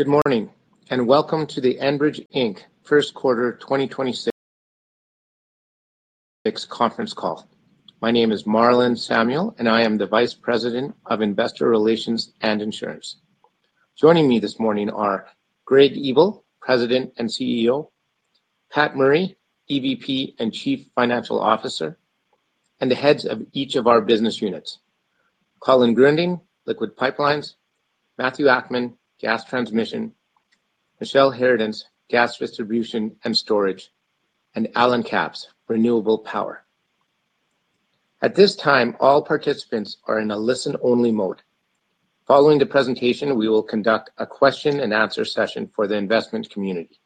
Good morning, and welcome to the Enbridge Inc first quarter 2026 conference call. My name is Marlon Samuel, and I am the Vice President of Investor Relations and Insurance. Joining me this morning are Greg Ebel, President and CEO, Pat Murray, EVP and Chief Financial Officer, and the heads of each of our business units, Colin Gruending, Liquids Pipelines, Matthew Akman, Gas Transmission, Michele Harradence, Gas Distribution and Storage, and Allen Capps, Renewable Power. At this time, all participants are in a listen-only mode. Following the presentation, we will conduct a question and answer session for the investment community.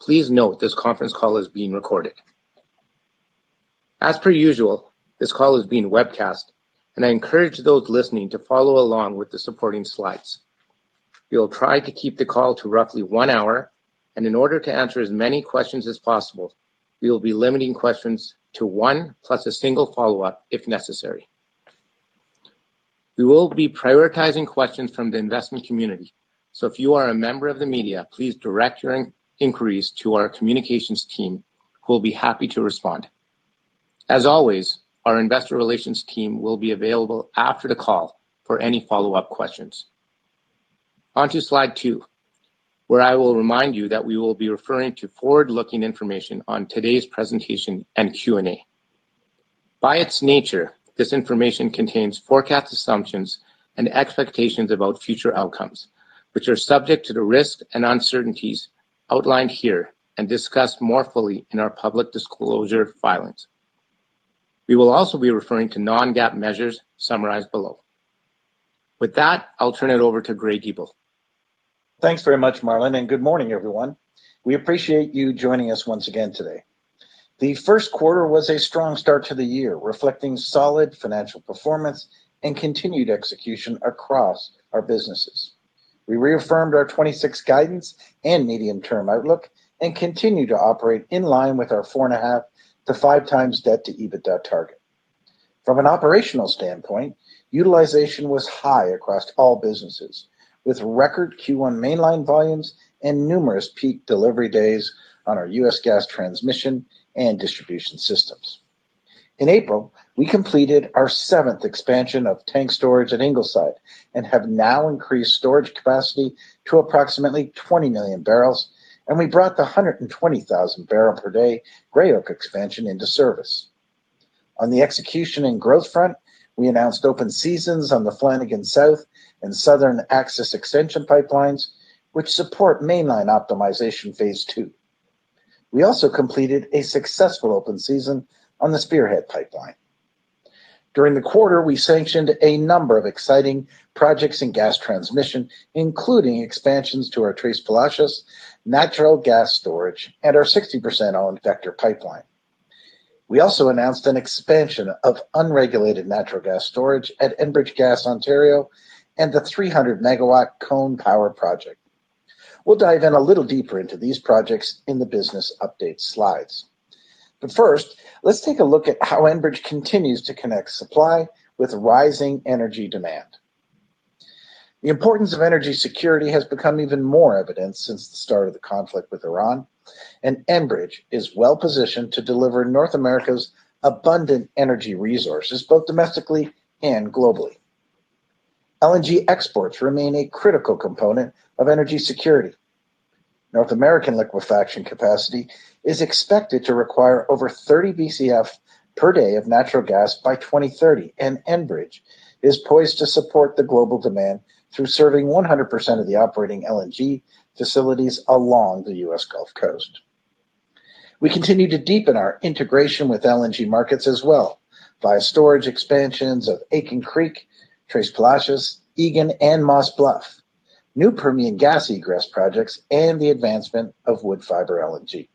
Please note this conference call is being recorded. As per usual, this call is being webcast, and I encourage those listening to follow along with the supporting slides. We will try to keep the call to roughly one hour. In order to answer as many questions as possible, we will be limiting questions to one plus a single follow-up if necessary. We will be prioritizing questions from the investment community. If you are a member of the media, please direct your inquiries to our communications team who will be happy to respond. As always, our investor relations team will be available after the call for any follow-up questions. On to slide two, where I will remind you that we will be referring to forward-looking information on today's presentation and Q&A. By its nature, this information contains forecast assumptions and expectations about future outcomes, which are subject to the risks and uncertainties outlined here and discussed more fully in our public disclosure filings. We will also be referring to non-GAAP measures summarized below. With that, I'll turn it over to Greg Ebel. Thanks very much, Marlon, and good morning, everyone. We appreciate you joining us once again today. The 1st quarter was a strong start to the year, reflecting solid financial performance and continued execution across our businesses. We reaffirmed our 2026 guidance and medium-term outlook and continue to operate in line with our 4.5x-5x debt to EBITDA target. From an operational standpoint, utilization was high across all businesses, with record Q1 Mainline volumes and numerous peak delivery days on our U.S. Gas Transmission and Distribution systems. In April, we completed our seventh expansion of tank storage at Ingleside and have now increased storage capacity to approximately 20 million barrels, and we brought the 120,000 bpd Gray Oak expansion into service. On the execution and growth front, we announced open seasons on the Flanagan South and Southern Access Extension pipelines, which support Mainline Optimization Phase 2. We also completed a successful open season on the Spearhead pipeline. During the quarter, we sanctioned a number of exciting projects in Gas Transmission, including expansions to our Tres Palacios natural gas storage and our 60%-owned Vector Pipeline. We also announced an expansion of unregulated natural gas storage at Enbridge Gas Ontario and the 300 MW Cone power project. We'll dive in a little deeper into these projects in the business update slides. First, let's take a look at how Enbridge continues to connect supply with rising energy demand. The importance of energy security has become even more evident since the start of the conflict with Iran, and Enbridge is well positioned to deliver North America's abundant energy resources, both domestically and globally. LNG exports remain a critical component of energy security. North American liquefaction capacity is expected to require over 30 BCF per day of natural gas by 2030, and Enbridge is poised to support the global demand through serving 100% of the operating LNG facilities along the U.S. Gulf Coast. We continue to deepen our integration with LNG markets as well via storage expansions of Aitken Creek, Tres Palacios, Egan, and Moss Bluff, new Permian gas egress projects, and the advancement of WoodFibre LNG.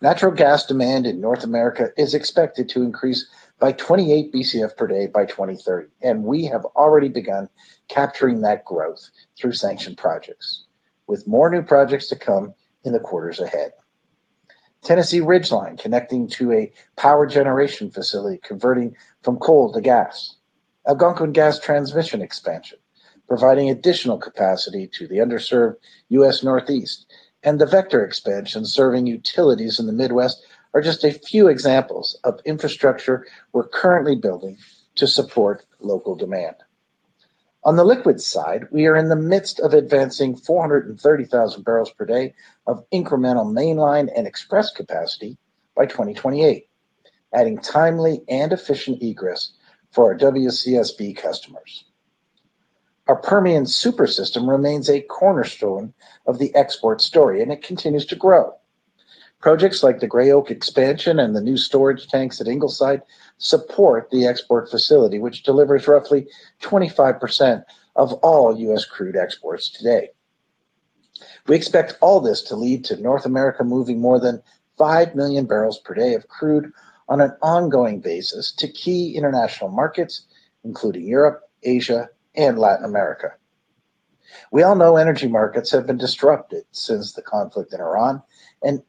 Natural gas demand in North America is expected to increase by 28 BCF per day by 2030. We have already begun capturing that growth through sanctioned projects, with more new projects to come in the quarters ahead. Tennessee Ridgeline, connecting to a power generation facility converting from coal to gas. Algonquin Gas Transmission expansion, providing additional capacity to the underserved U.S. Northeast. The Vector expansion serving utilities in the Midwest are just a few examples of infrastructure we're currently building to support local demand. On the liquid side, we are in the midst of advancing 430,000 bpd of incremental Mainline and express capacity by 2028, adding timely and efficient egress for our WCSB customers. Our Permian Super System remains a cornerstone of the export story. It continues to grow. Projects like the Gray Oak expansion and the new storage tanks at Ingleside support the export facility, which delivers roughly 25% of all U.S. crude exports today. We expect all this to lead to North America moving more than 5 MMbpd of crude on an ongoing basis to key international markets, including Europe, Asia, and Latin America. We all know energy markets have been disrupted since the conflict in Iran.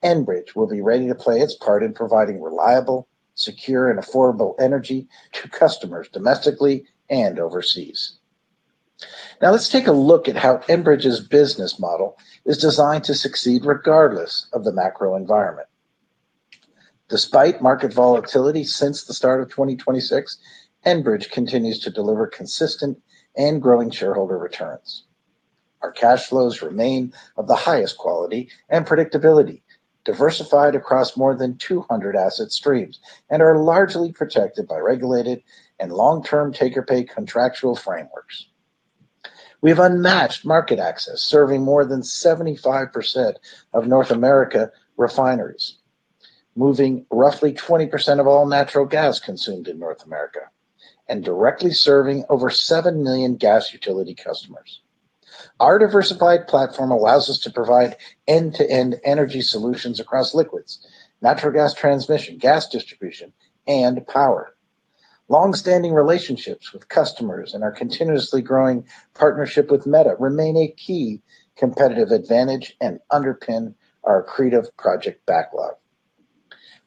Enbridge will be ready to play its part in providing reliable, secure, and affordable energy to customers domestically and overseas. Now let's take a look at how Enbridge's business model is designed to succeed regardless of the macro environment. Despite market volatility since the start of 2026, Enbridge continues to deliver consistent and growing shareholder returns. Our cash flows remain of the highest quality and predictability, diversified across more than 200 asset streams, and are largely protected by regulated and long-term take-or-pay contractual frameworks. We have unmatched market access, serving more than 75% of North America refineries, moving roughly 20% of all natural gas consumed in North America, and directly serving over 7 million gas utility customers. Our diversified platform allows us to provide end-to-end energy solutions across liquids, natural gas transmission, gas distribution, and power. Long-standing relationships with customers and our continuously growing partnership with Meta remain a key competitive advantage and underpin our accretive project backlog.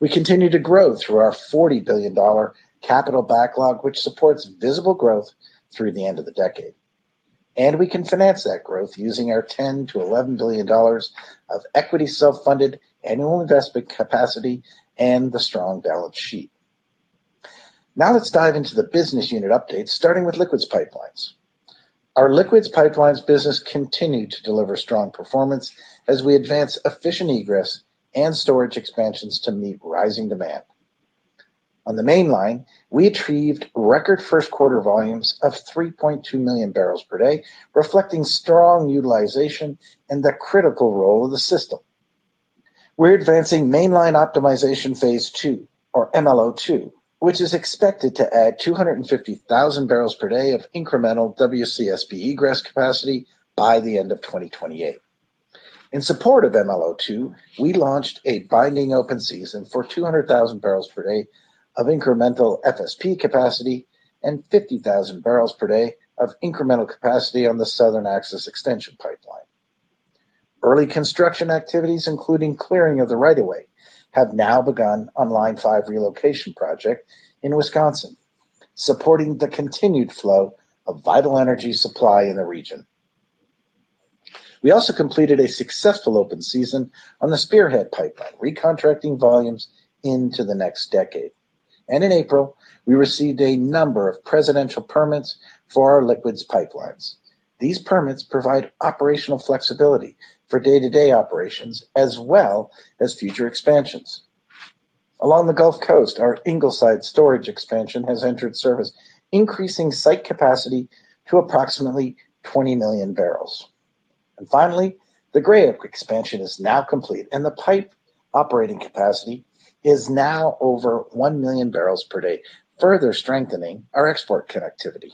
We continue to grow through our 40 billion dollar capital backlog, which supports visible growth through the end of the decade. We can finance that growth using our 10 billion-11 billion dollars of equity self-funded annual investment capacity and the strong balance sheet. Let's dive into the business unit updates, starting with Liquids Pipelines. Our Liquids Pipelines business continued to deliver strong performance as we advance efficient egress and storage expansions to meet rising demand. On the Mainline, we achieved record first quarter volumes of 3.2 MMbpd, reflecting strong utilization and the critical role of the system. We're advancing Mainline Optimization Phase 2, or MLO2, which is expected to add 250,000 bpd of incremental WCSB egress capacity by the end of 2028. In support of MLO2, we launched a binding open season for 200,000 bpd of incremental FSP capacity and 50,000 bpd of incremental capacity on the Southern Access Extension pipeline. Early construction activities, including clearing of the right-of-way, have now begun on Line 5 Relocation Project in Wisconsin, supporting the continued flow of vital energy supply in the region. We also completed a successful open season on the Spearhead Pipeline, recontracting volumes into the next decade. In April, we received a number of presidential permits for our Liquids Pipelines. These permits provide operational flexibility for day-to-day operations as well as future expansions. Along the Gulf Coast, our Ingleside storage expansion has entered service, increasing site capacity to approximately 20 million barrels. Finally, the Gray Oak expansion is now complete, and the pipe operating capacity is now over 1 MMbpd, further strengthening our export connectivity.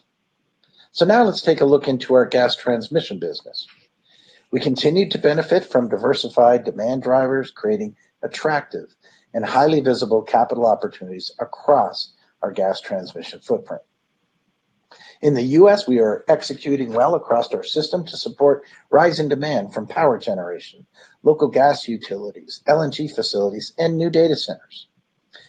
Now let's take a look into our Gas Transmission business. We continue to benefit from diversified demand drivers, creating attractive and highly visible capital opportunities across our Gas Transmission footprint. In the U.S., we are executing well across our system to support rising demand from power generation, local gas utilities, LNG facilities, and new data centers.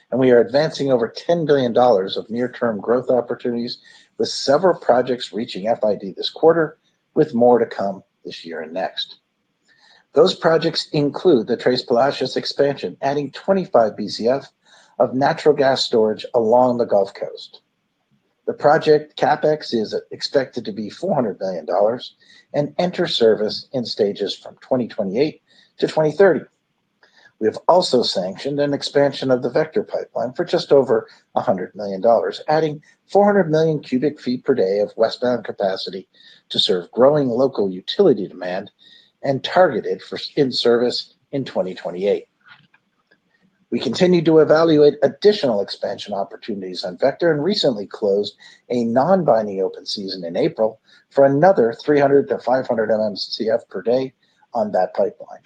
We are advancing over 10 billion dollars of near-term growth opportunities with several projects reaching FID this quarter, with more to come this year and next. Those projects include the Tres Palacios expansion, adding 25 BCF of natural gas storage along the Gulf Coast. The project CapEx is expected to be 400 million dollars and enter service in stages from 2028-2030. We have also sanctioned an expansion of the Vector pipeline for just over 100 million dollars, adding 400 MMCF per day of westbound capacity to serve growing local utility demand and targeted for in-service in 2028. We continue to evaluate additional expansion opportunities on Vector and recently closed a non-binding open season in April for another 300-500 MMCF per day on that pipeline.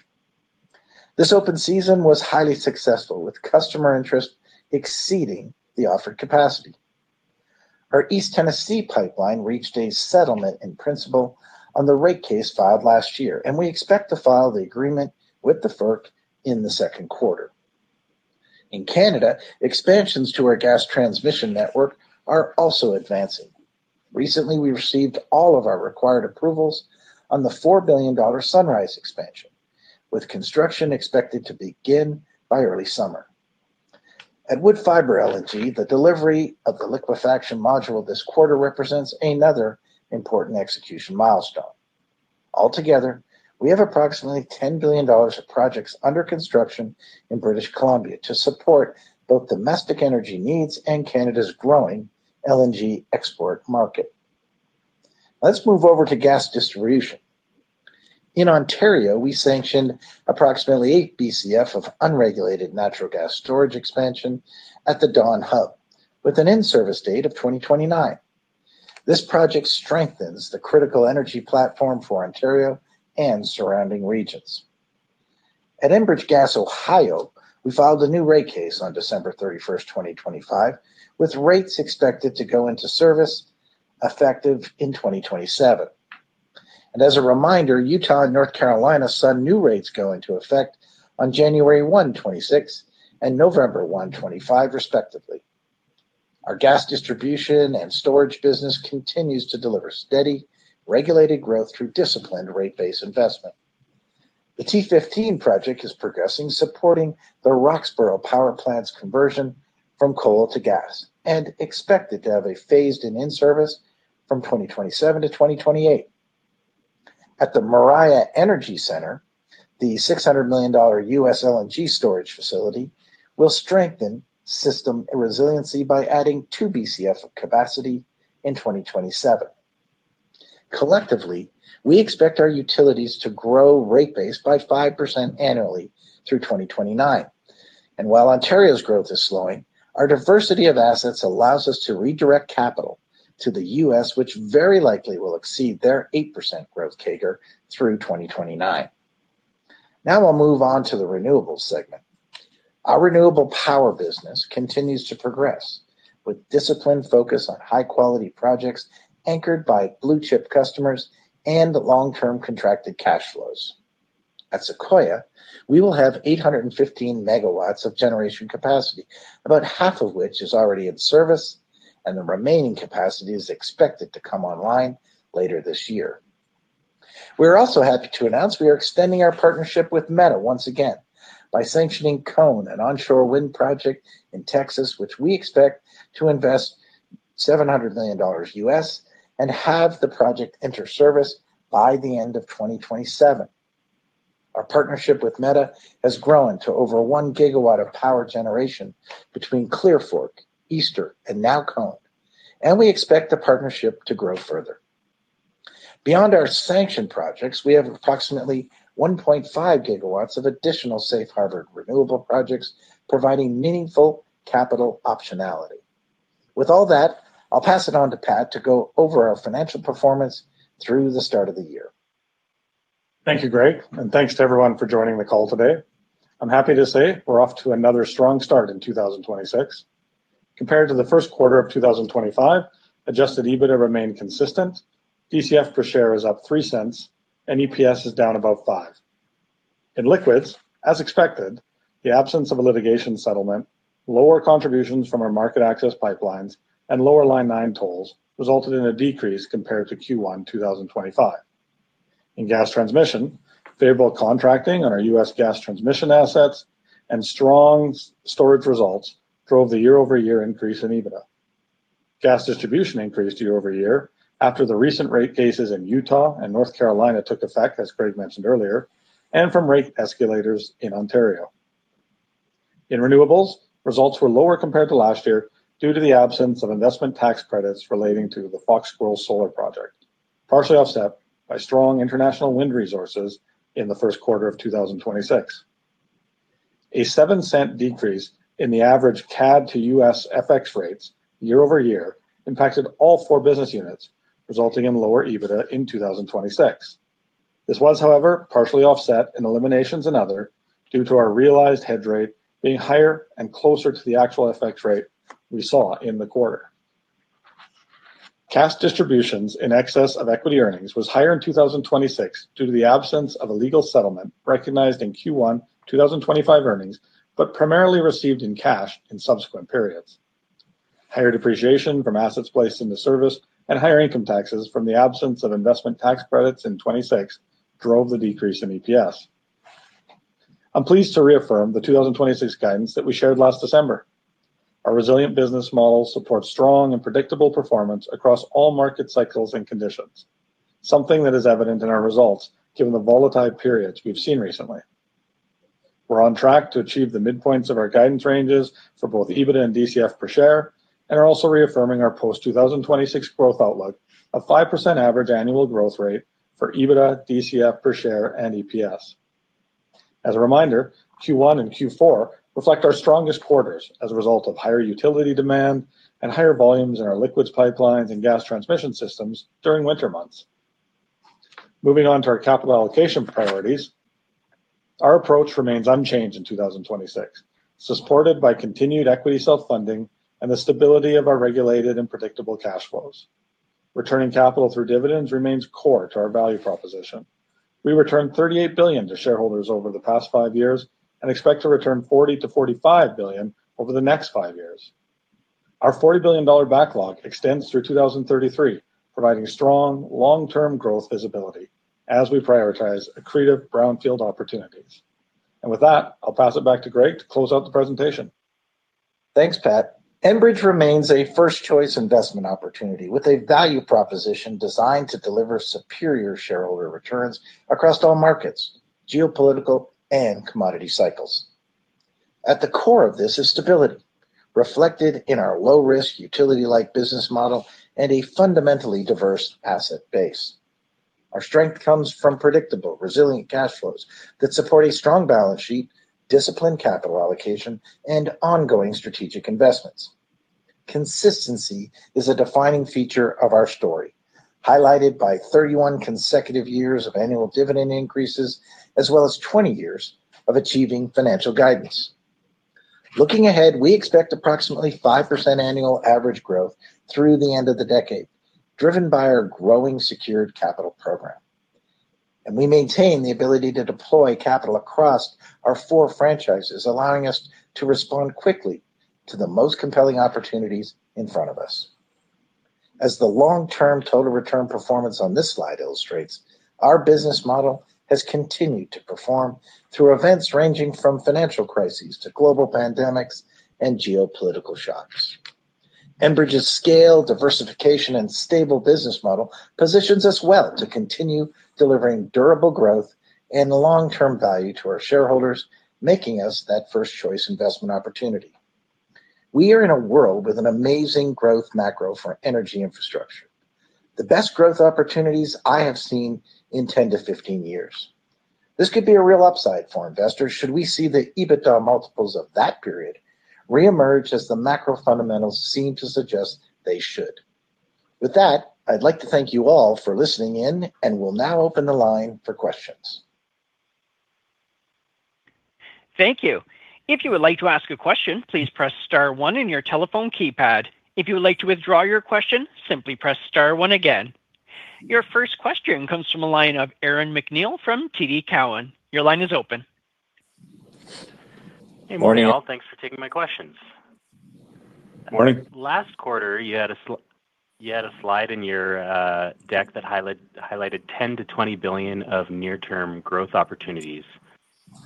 This open season was highly successful, with customer interest exceeding the offered capacity. Our East Tennessee pipeline reached a settlement in principle on the rate case filed last year. We expect to file the agreement with the FERC in the second quarter. In Canada, expansions to our Gas Transmission network are also advancing. Recently, we received all of our required approvals on the 4 billion dollar Sunrise expansion, with construction expected to begin by early summer. At WoodFibre LNG, the delivery of the liquefaction module this quarter represents another important execution milestone. Altogether, we have approximately 10 billion dollars of projects under construction in British Columbia to support both domestic energy needs and Canada's growing LNG export market. Let's move over to Gas Distribution. In Ontario, we sanctioned approximately 8 BCF of unregulated natural gas storage expansion at the Dawn Hub with an in-service date of 2029. This project strengthens the critical energy platform for Ontario and surrounding regions. At Enbridge Gas Ohio, we filed a new rate case on December 31st, 2025, with rates expected to go into service effective in 2027. As a reminder, Utah and North Carolina saw new rates go into effect on January 1, 2026 and November 1, 2025, respectively. Our Gas Distribution and Storage business continues to deliver steady regulated growth through disciplined rate base investment. The T15 project is progressing, supporting the Roxboro Power Plant's conversion from coal to gas and expected to have a phased and in-service from 2027 to 2028. At the Moriah Energy Center, the $600 million U.S. LNG storage facility will strengthen system resiliency by adding 2 BCF of capacity in 2027. Collectively, we expect our utilities to grow rate base by 5% annually through 2029. While Ontario's growth is slowing, our diversity of assets allows us to redirect capital to the U.S., which very likely will exceed their 8% growth CAGR through 2029. Now I'll move on to the Renewables segment. Our Renewable Power business continues to progress with disciplined focus on high-quality projects anchored by blue-chip customers and long-term contracted cash flows. At Sequoia, we will have 815 MW of generation capacity, about half of which is already in service, and the remaining capacity is expected to come online later this year. We are also happy to announce we are extending our partnership with Meta once again by sanctioning Cone, an onshore wind project in Texas, which we expect to invest $700 million and have the project enter service by the end of 2027. Our partnership with Meta has grown to over 1 GW of power generation between Clear Fork, Easter, and now Cone, and we expect the partnership to grow further. Beyond our sanctioned projects, we have approximately 1.5 GW of additional safe harbor renewable projects providing meaningful capital optionality. With all that, I will pass it on to Pat to go over our financial performance through the start of the year. Thank you, Greg, and thanks to everyone for joining the call today. I'm happy to say we're off to another strong start in 2026. Compared to the first quarter of 2025, adjusted EBITDA remained consistent, DCF per share is up 0.03, and EPS is down about 0.05. In liquids, as expected, the absence of a litigation settlement, lower contributions from our market access pipelines, and lower Line 9 tolls resulted in a decrease compared to Q1 2025. In Gas Transmission, favorable contracting on our U.S. Gas Transmission assets and strong storage results drove the year-over-year increase in EBITDA. Gas Distribution increased year-over-year after the recent rate cases in Utah and North Carolina took effect, as Greg mentioned earlier, and from rate escalators in Ontario. In renewables, results were lower compared to last year due to the absence of investment tax credits relating to the Fox Squirrel Solar project, partially offset by strong international wind resources in the first quarter of 2026. A 0.07 decrease in the average CAD-to-U.S. FX rates year-over-year impacted all four business units, resulting in lower EBITDA in 2026. This was, however, partially offset in eliminations and other due to our realized hedge rate being higher and closer to the actual FX rate we saw in the quarter. Cash distributions in excess of equity earnings was higher in 2026 due to the absence of a legal settlement recognized in Q1 2025 earnings but primarily received in cash in subsequent periods. Higher depreciation from assets placed into service and higher income taxes from the absence of investment tax credits in 2026 drove the decrease in EPS. I'm pleased to reaffirm the 2026 guidance that we shared last December. Our resilient business model supports strong and predictable performance across all market cycles and conditions, something that is evident in our results given the volatile periods we've seen recently. We're on track to achieve the midpoints of our guidance ranges for both EBITDA and DCF per share and are also reaffirming our post-2026 growth outlook of 5% average annual growth rate for EBITDA, DCF per share, and EPS. As a reminder, Q1 and Q4 reflect our strongest quarters as a result of higher utility demand and higher volumes in our Liquids Pipelines and Gas Transmission systems during winter months. Moving on to our capital allocation priorities, our approach remains unchanged in 2026, supported by continued equity self-funding and the stability of our regulated and predictable cash flows. Returning capital through dividends remains core to our value proposition. We returned 38 billion to shareholders over the past five years and expect to return 40 billion-45 billion over the next five years. Our 40 billion dollar backlog extends through 2033, providing strong long-term growth visibility as we prioritize accretive brownfield opportunities. With that, I'll pass it back to Greg to close out the presentation. Thanks, Pat. Enbridge remains a first-choice investment opportunity with a value proposition designed to deliver superior shareholder returns across all markets, geopolitical and commodity cycles. At the core of this is stability, reflected in our low-risk utility-like business model and a fundamentally diverse asset base. Our strength comes from predictable, resilient cash flows that support a strong balance sheet, disciplined capital allocation, and ongoing strategic investments. Consistency is a defining feature of our story, highlighted by 31 consecutive years of annual dividend increases as well as 20 years of achieving financial guidance. Looking ahead, we expect approximately 5% annual average growth through the end of the decade, driven by our growing secured capital program. We maintain the ability to deploy capital across our four franchises, allowing us to respond quickly to the most compelling opportunities in front of us. As the long-term total return performance on this slide illustrates, our business model has continued to perform through events ranging from financial crises to global pandemics and geopolitical shocks. Enbridge's scale, diversification, and stable business model positions us well to continue delivering durable growth and long-term value to our shareholders, making us that first choice investment opportunity. We are in a world with an amazing growth macro for energy infrastructure, the best growth opportunities I have seen in 10-15 years. This could be a real upside for investors should we see the EBITDA multiples of that period reemerge as the macro fundamentals seem to suggest they should. With that, I'd like to thank you all for listening in and will now open the line for questions. Thank you. If you would like to ask a question, please press star one in your telephone keypad. If you would like to withdraw your question, simply press star one again. Your first question comes from a line of Aaron MacNeil from TD Cowen. Your line is open. Hey, morning all. Thanks for taking my questions. Morning. Last quarter, you had a slide in your deck that highlighted $10 billion-$20 billion of near-term growth opportunities.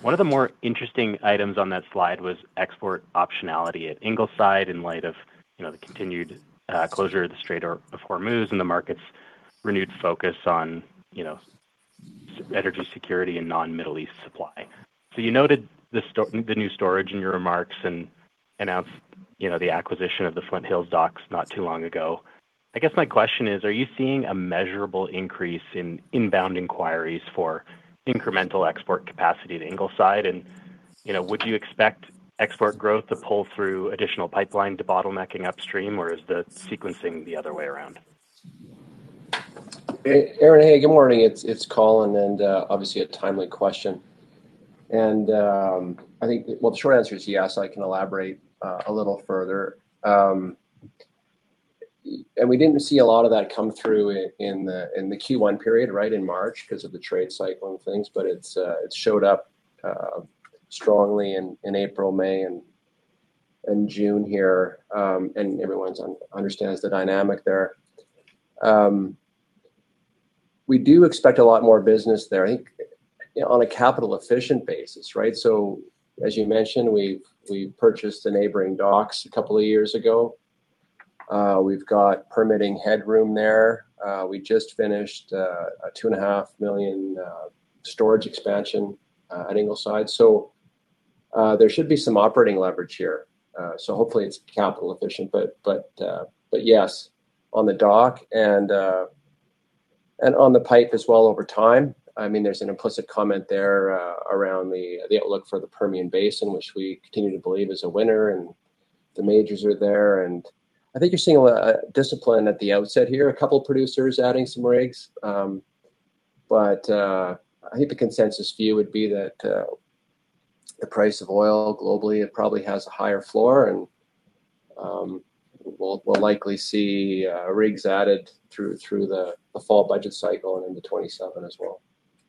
One of the more interesting items on that slide was export optionality at Ingleside in light of, you know, the continued closure of the Strait of Hormuz and the market's renewed focus on, you know, energy security and non-Middle East supply. You noted the new storage in your remarks and announced, you know, the acquisition of the Flint Hills docks not too long ago. I guess my question is, are you seeing a measurable increase in inbound inquiries for incremental export capacity to Ingleside? You know, would you expect export growth to pull through additional pipeline debottlenecking upstream, or is the sequencing the other way around? Aaron, hey, good morning. It's Colin, and obviously a timely question. I think, well the short answer is yes. I can elaborate a little further. We didn't see a lot of that come through in the Q1 period, right? In March, because of the trade cycle and things. It showed up strongly in April, May, and June here. Everyone understands the dynamic there. We do expect a lot more business there, I think, you know, on a capital-efficient basis, right? As you mentioned, we purchased the neighboring docks a couple of years ago. We've got permitting headroom there. We just finished a 2.5 million storage expansion at Ingleside, so there should be some operating leverage here. Hopefully it's capital efficient. Yes, on the dock and on the pipe as well over time. I mean, there's an implicit comment there around the outlook for the Permian Basin, which we continue to believe is a winner, and the majors are there. I think you're seeing a lot of discipline at the outset here, a couple producers adding some rigs. I think the consensus view would be that the price of oil globally, it probably has a higher floor, and we'll likely see rigs added through the fall budget cycle and into 2027 as well.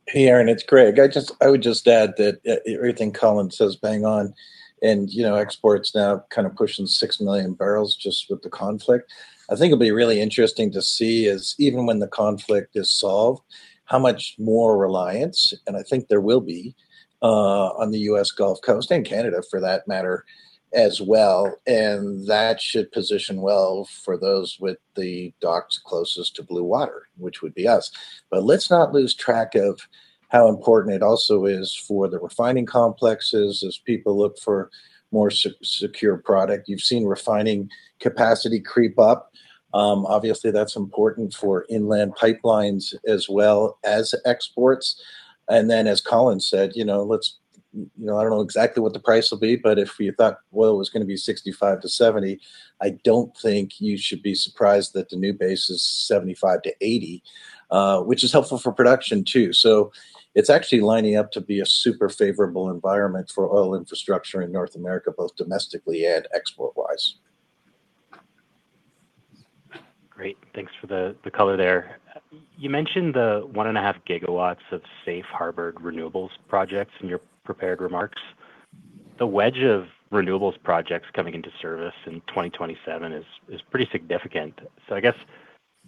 Hey Aaron, it's Greg. I would just add that everything Colin says, bang on. You know, exports now kind of pushing 6 million barrels just with the conflict. I think it'll be really interesting to see is even when the conflict is solved, how much more reliance, and I think there will be, on the U.S. Gulf Coast and Canada for that matter as well, and that should position well for those with the docks closest to blue water, which would be us. Let's not lose track of how important it also is for the refining complexes as people look for more secure product. You've seen refining capacity creep up. Obviously that's important for inland pipelines as well as exports. As Colin said, you know, You know, I don't know exactly what the price will be, but if you thought oil was gonna be 65-70, I don't think you should be surprised that the new base is 75-80, which is helpful for production too. It's actually lining up to be a super favorable environment for oil infrastructure in North America, both domestically and export-wise. Great. Thanks for the color there. You mentioned the 1.5 GW of safe harbored renewables projects in your prepared remarks. The wedge of renewables projects coming into service in 2027 is pretty significant. I guess,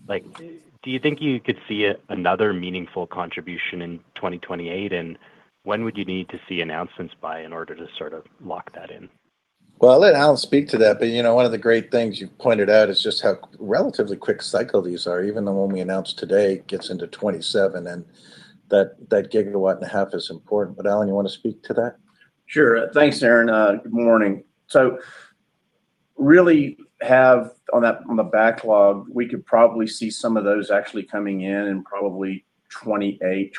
like, do you think you could see another meaningful contribution in 2028, and when would you need to see announcements by in order to sort of lock that in? Well, I'll let Allen speak to that, but you know, one of the great things you've pointed out is just how relatively quick cycle these are. Even the one we announced today gets into 2027, and that 1.5 GW is important. Allen, you wanna speak to that? Sure. Thanks, Aaron. Good morning. Really have on that, on the backlog, we could probably see some of those actually coming in in probably 2028-2029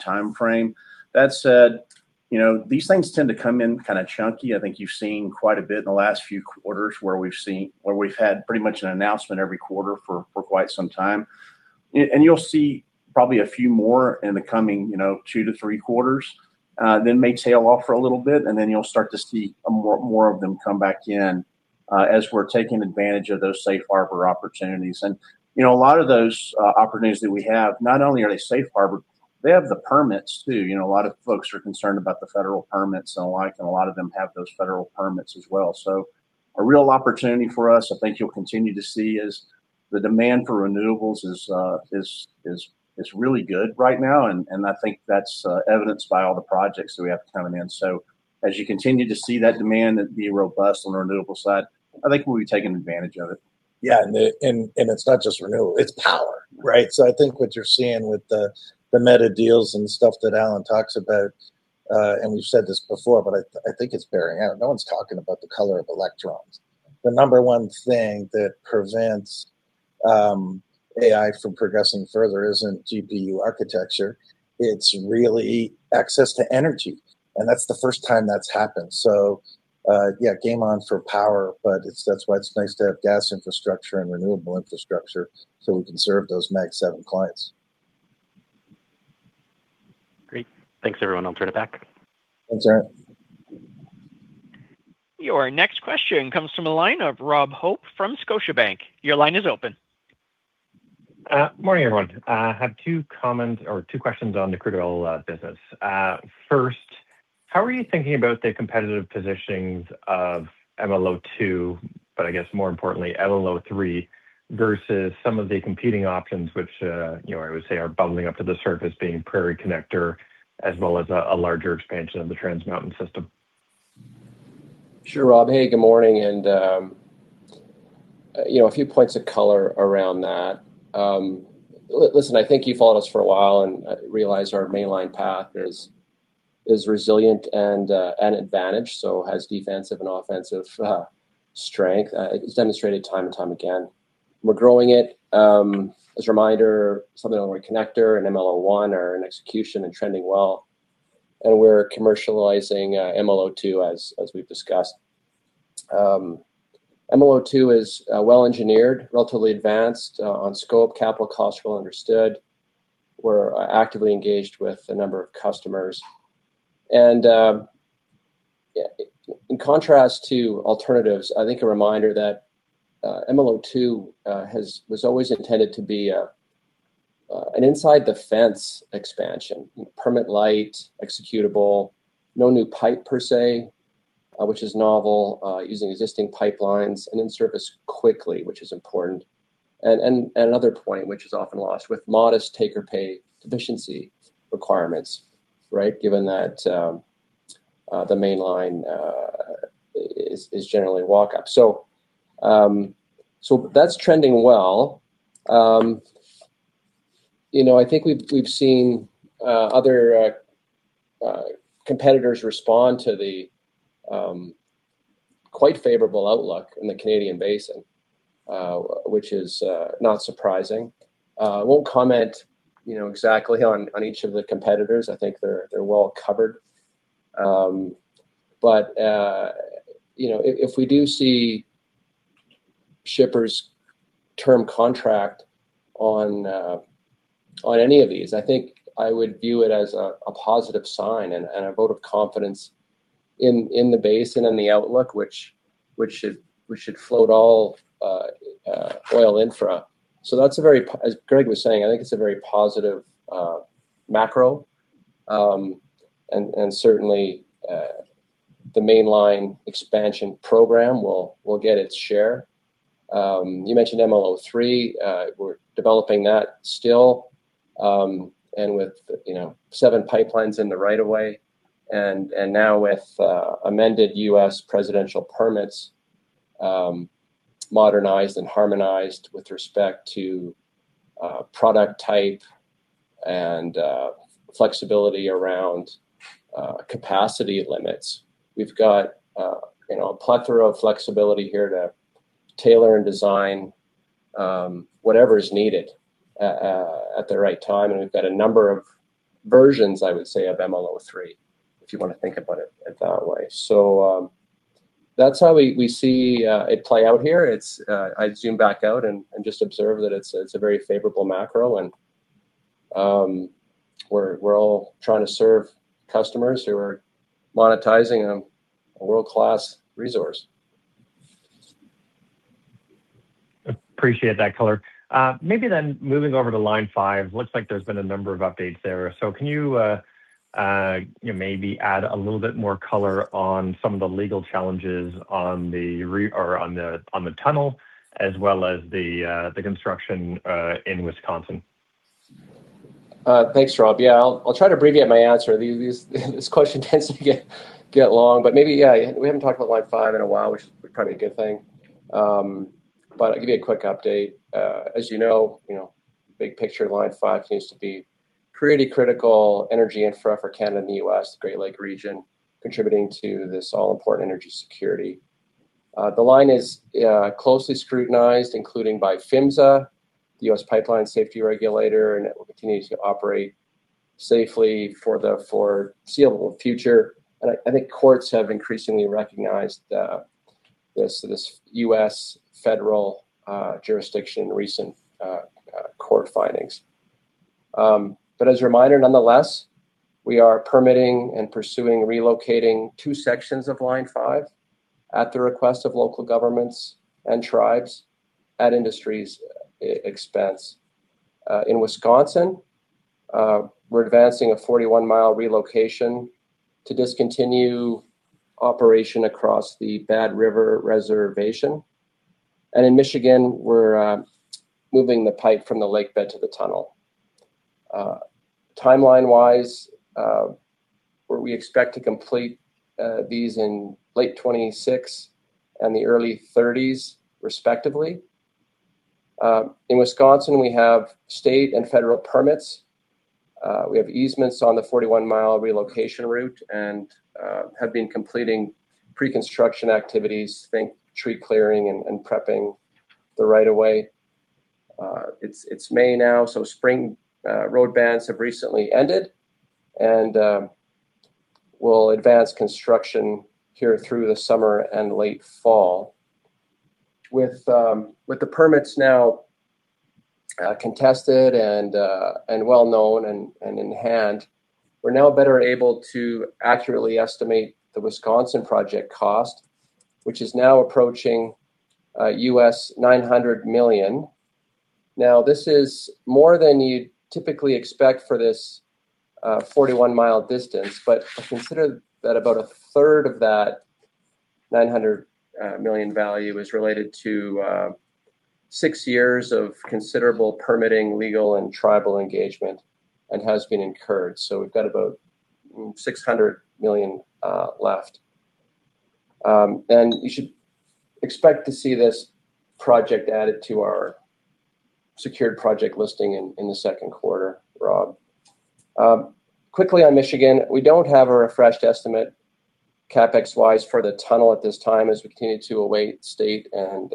timeframe. That said, you know, these things tend to come in kind of chunky. I think you've seen quite a bit in the last few quarters where we've had pretty much an announcement every quarter for quite some time. And you'll see probably a few more in the coming you know, two to three quarters, then may tail off for a little bit, and then you'll start to see more of them come back in. As we're taking advantage of those safe harbor opportunities. You know, a lot of those opportunities that we have, not only are they safe harbor, they have the permits too. You know, a lot of folks are concerned about the federal permits and the like, and a lot of them have those federal permits as well. A real opportunity for us, I think you'll continue to see, is the demand for renewables is really good right now and I think that's evidenced by all the projects that we have coming in. As you continue to see that demand and be robust on the renewable side, I think we'll be taking advantage of it. Yeah, and it's not just renewable, it's power, right? I think what you're seeing with the Meta deals and stuff that Allen talks about, and we've said this before, but I think it's bearing out. No one's talking about the color of electrons. The number one thing that prevents AI from progressing further isn't GPU architecture, it's really access to energy, and that's the first time that's happened. Yeah, game on for power, but that's why it's nice to have gas infrastructure and renewable infrastructure so we can serve those Mag 7 clients. Great. Thanks everyone, I'll turn it back. Thanks, Aaron. Your next question comes from the line of Rob Hope from Scotiabank. Your line is open. Morning everyone. Have two comments or two questions on the critical business. First, how are you thinking about the competitive positions of MLO2, but I guess more importantly MLO3 versus some of the competing options which, you know, I would say are bubbling up to the surface being Prairie Connector as well as a larger expansion of the Trans Mountain system? Sure, Rob. Hey, good morning and, you know, a few points of color around that. Listen, I think you've followed us for a while and realize our Mainline path is resilient and an advantage, so has defensive and offensive strength. It's demonstrated time and time again. We're growing it. As a reminder, [something on our] connector and MLO1 are in execution and trending well, and we're commercializing MLO2 as we've discussed. MLO2 is well engineered, relatively advanced on scope, capital cost well understood. We're actively engaged with a number of customers. In contrast to alternatives, I think a reminder that MLO2 was always intended to be an inside the fence expansion. You know, permit-light, executable, no new pipe per se, which is novel, using existing pipelines and in service quickly, which is important. Another point which is often lost, with modest take-or-pay deficiency requirements, right? Given that the Mainline is generally [walk-up]. That's trending well. You know, I think we've seen other competitors respond to the quite favorable outlook in the Canadian basin, which is not surprising. I won't comment, you know, exactly on each of the competitors. I think they're well covered. You know, if we do see shippers term contract on any of these, I think I would view it as a positive sign and a vote of confidence in the basin and the outlook, which should float all oil infra. That's a very as Greg was saying, I think it's a very positive macro. Certainly, the mainline expansion program will get its share. You mentioned MLO3, we're developing that still. With, you know, seven pipelines in the right of way and now with amended U.S. presidential permits, modernized and harmonized with respect to product type and flexibility around capacity limits. We've got, you know, a plethora of flexibility here to tailor and design whatever is needed at the right time. We've got a number of versions, I would say, of MLO3, if you wanna think about it that way. That's how we see it play out here. I zoom back out and just observe that it's a very favorable macro and we're all trying to serve customers who are monetizing a world-class resource. Appreciate that color. Maybe then moving over to Line 5, looks like there's been a number of updates there. Can you know, maybe add a little bit more color on some of the legal challenges on the tunnel as well as the construction in Wisconsin? Thanks Rob. Yeah, I'll try to abbreviate my answer. This question tends to get long, maybe yeah, we haven't talked about Line 5 in a while, which is probably a good thing. I'll give you a quick update. As you know, you know, big picture Line 5 continues to be pretty critical energy infra for Canada and the U.S., the Great Lakes region contributing to this all-important energy security. The line is closely scrutinized, including by PHMSA, the U.S. Pipeline Safety Regulator, it will continue to operate safely for the foreseeable future. I think courts have increasingly recognized this U.S. federal jurisdiction recent court findings. As a reminder, nonetheless, we are permitting and pursuing relocating two sections of Line 5 at the request of local governments and tribes at industry's expense. In Wisconsin, we're advancing a 41-mile relocation to discontinue operation across the Bad River Reservation. In Michigan, we're moving the pipe from the lakebed to the tunnel. Timeline-wise, we expect to complete these in late 2026 and the early 2030s respectively. In Wisconsin, we have state and federal permits. We have easements on the 41-mile relocation route and have been completing pre-construction activities, think tree clearing and prepping the right of way. It's May now, spring road bans have recently ended, and we'll advance construction here through the summer and late fall. The permits now contested and well-known and in hand, we're now better able to accurately estimate the Wisconsin project cost, which is now approaching $900 million. This is more than you'd typically expect for this 41 mile distance, but consider that about a third of that $900 million value is related to six years of considerable permitting, legal and tribal engagement and has been incurred, so we've got about $600 million left. You should expect to see this project added to our secured project listing in the second quarter, Rob. Quickly on Michigan, we don't have a refreshed estimate CapEx-wise for the tunnel at this time as we continue to await state and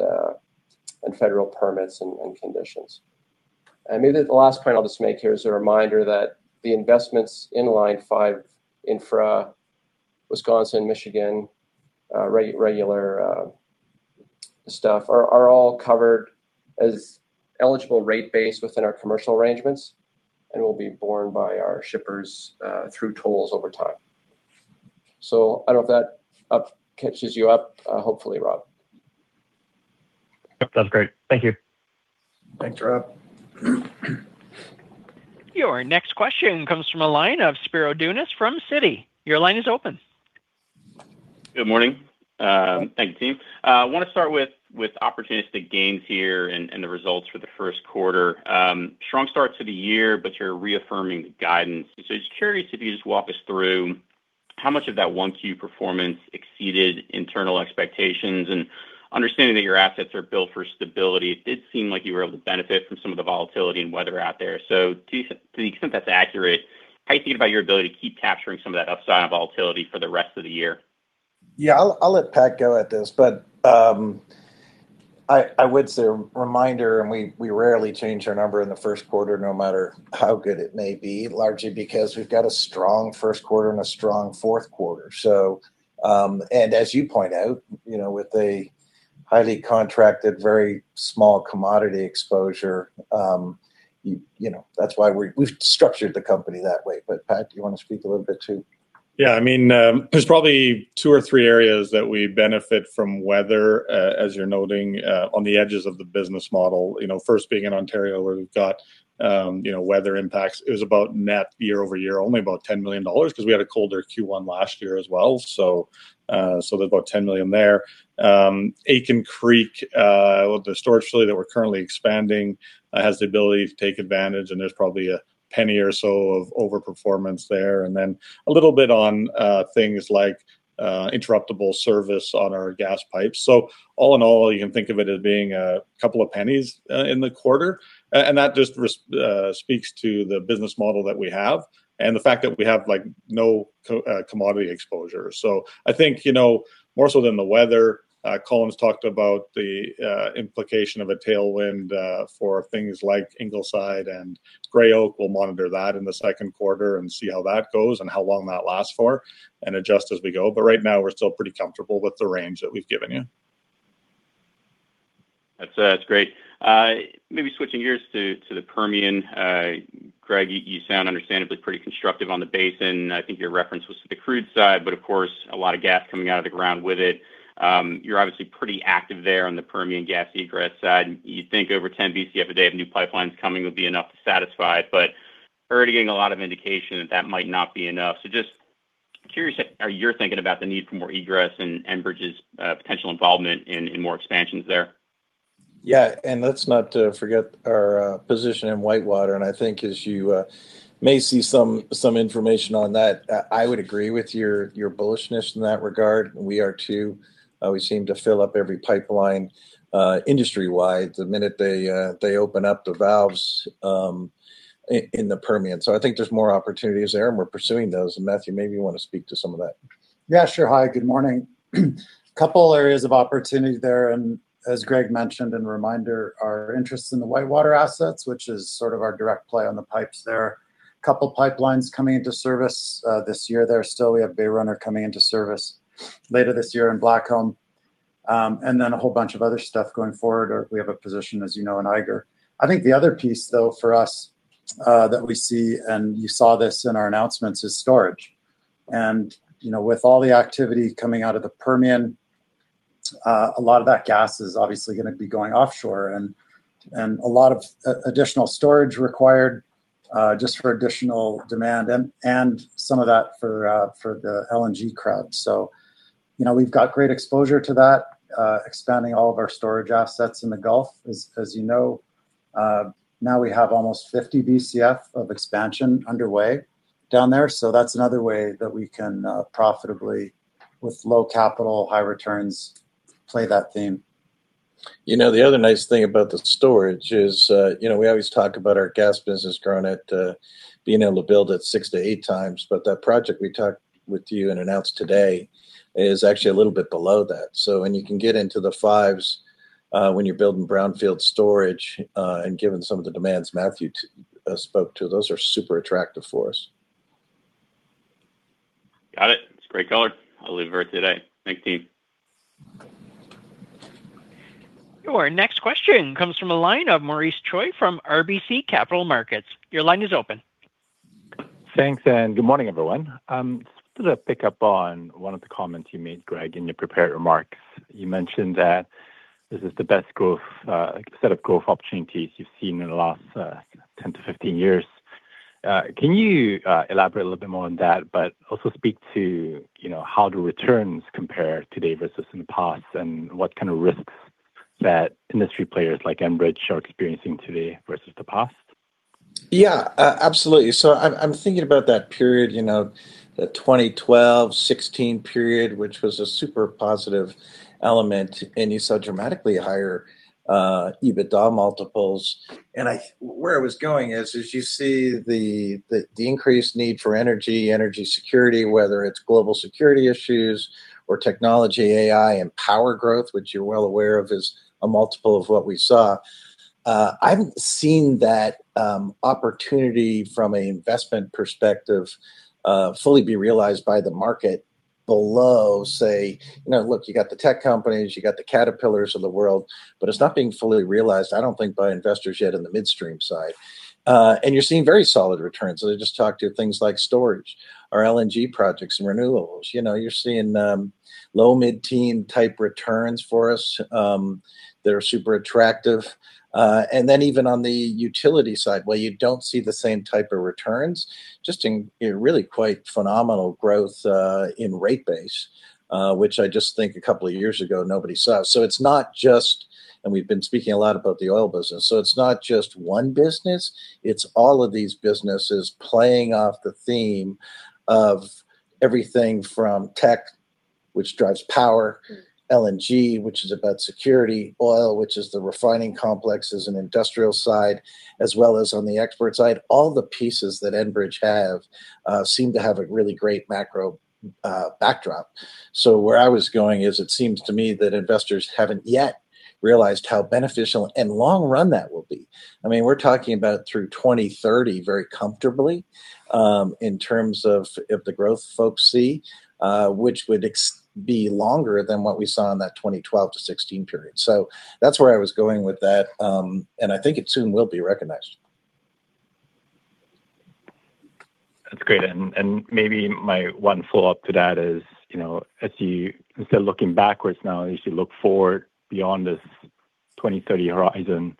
federal permits and conditions. Maybe the last point I'll just make here is a reminder that the investments in Line 5 infra Wisconsin, Michigan, regular stuff are all covered as eligible rate base within our commercial arrangements and will be borne by our shippers through tolls over time. I don't know if that catches you up. Hopefully, Rob. Yep, that's great. Thank you. Thanks, Rob. Your next question comes from a line of Spiro Dounis from Citi. Your line is open. Good morning. Thank you, team. I wanna start with opportunistic gains here and the results for the first quarter. Strong start to the year, but you're reaffirming the guidance. Just curious if you could just walk us through how much of that 1Q performance exceeded internal expectations. Understanding that your assets are built for stability, it did seem like you were able to benefit from some of the volatility and weather out there. To the extent that's accurate, how you think about your ability to keep capturing some of that upside and volatility for the rest of the year? Yeah, I'll let Pat go at this, but I would say reminder. We rarely change our number in the first quarter no matter how good it may be, largely because we've got a strong first quarter and a strong fourth quarter. As you point out, you know, with a highly contracted, very small commodity exposure, you know, that's why we've structured the company that way. Pat, do you wanna speak a little bit too? Yeah. I mean, there's probably two or three areas that we benefit from weather, as you're noting, on the edges of the business model. You know, first being in Ontario where we've got, you know, weather impacts. It was about net year-over-year, only about 10 million dollars because we had a colder Q1 last year as well. There's about 10 million there. Aitken Creek, the storage facility that we're currently expanding, has the ability to take advantage, there's probably 10 years or so of over-performance there. A little bit on things like interruptible service on our gas pipes. All in all, you can think of it as being a couple of CAD 0.01 in the quarter. That just speaks to the business model that we have and the fact that we have, like, no commodity exposure. I think, you know, more so than the weather, Colin's talked about the implication of a tailwind for things like Ingleside and Gray Oak. We'll monitor that in the second quarter and see how that goes and how long that lasts for and adjust as we go. Right now, we're still pretty comfortable with the range that we've given you. That's great. Maybe switching gears to the Permian. Greg, you sound understandably pretty constructive on the basin. I think your reference was to the crude side, but of course, a lot of gas coming out of the ground with it. You're obviously pretty active there on the Permian gas egress side. You think over 10 BCF a day of new pipelines coming would be enough to satisfy, but already getting a lot of indication that that might not be enough. Just curious how you're thinking about the need for more egress and Enbridge's potential involvement in more expansions there? Yeah. Let's not forget our position in WhiteWater, and I think as you may see some information on that, I would agree with your bullishness in that regard. We are too. We seem to fill up every pipeline, industry-wide the minute they open up the valves in the Permian. I think there's more opportunities there, and we're pursuing those. Matthew, maybe you wanna speak to some of that. Yeah, sure. Hi, good morning. Couple areas of opportunity there, as Greg mentioned, and a reminder, our interest in the WhiteWater assets, which is sort of our direct play on the pipes there. Couple pipelines coming into service this year there still. We have Bay Runner coming into service later this year and Blackcomb, then a whole bunch of other stuff going forward, or we have a position, as you know, in Eiger. I think the other piece though for us that we see, you saw this in our announcements, is storage. You know, with all the activity coming out of the Permian, a lot of that gas is obviously gonna be going offshore and a lot of additional storage required just for additional demand and some of that for the LNG crowd. You know, we've got great exposure to that, expanding all of our storage assets in the Gulf. As you know, now we have almost 50 BCF of expansion underway down there. That's another way that we can profitably, with low capital, high returns, play that theme. You know, the other nice thing about the storage is, you know, we always talk about our gas business growing at, being able to build at six to eight times, but that project we talked with you and announced today is actually a little bit below that. When you can get into the 5s, when you're building brownfield storage, and given some of the demands Matthew spoke to, those are super attractive for us. Got it. It's great color. I'll leave it there today. Thanks, team. Your next question comes from the line of Maurice Choy from RBC Capital Markets. Your line is open. Thanks, good morning, everyone. Just to pick up on one of the comments you made, Greg, in your prepared remarks. You mentioned that this is the best growth set of growth opportunities you've seen in the last 10-15 years. Can you elaborate a little bit more on that, also speak to, you know, how do returns compare today versus in the past, and what kind of risks that industry players like Enbridge are experiencing today versus the past? Absolutely. I'm thinking about that period, you know, the 2012-2016 period, which was a super positive element, and you saw dramatically higher EBITDA multiples. Where I was going is, as you see the increased need for energy security, whether it's global security issues or technology, AI, and power growth, which you're well aware of, is a multiple of what we saw. I haven't seen that opportunity from an investment perspective fully be realized by the market below, say, you know, look, you got the tech companies, you got the Caterpillars of the world, but it's not being fully realized, I don't think, by investors yet in the midstream side. You're seeing very solid returns. I just talked to things like storage or LNG projects and renewables. You know, you're seeing, low mid-teen type returns for us, that are super attractive. Then even on the utility side, while you don't see the same type of returns, just in really quite phenomenal growth, in rate base, which I just think a couple of years ago nobody saw. We've been speaking a lot about the oil business. It's not just one business, it's all of these businesses playing off the theme of everything from tech, which drives power, LNG, which is about security, oil, which is the refining complexes and industrial side, as well as on the export side. All the pieces that Enbridge have, seem to have a really great macro, backdrop. Where I was going is it seems to me that investors haven't yet realized how beneficial and long run that will be. I mean, we're talking about through 2030 very comfortably, in terms of the growth folks see, which would be longer than what we saw in that 2012-2016 period. That's where I was going with that, and I think it soon will be recognized. That's great. Maybe my one follow-up to that is, you know, as you instead of looking backwards now, as you look forward beyond this 2030 horizon,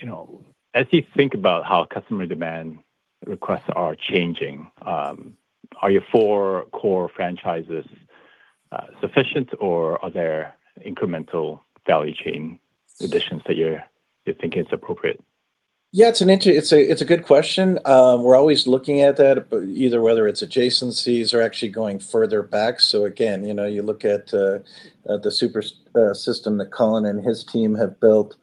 you know, as you think about how customer demand requests are changing, are your four core franchises sufficient or are there incremental value chain additions that you think is appropriate? Yeah, it's a good question. We're always looking at that, either whether it's adjacencies or actually going further back. Again, you know, you look at the super system that Colin and his team have built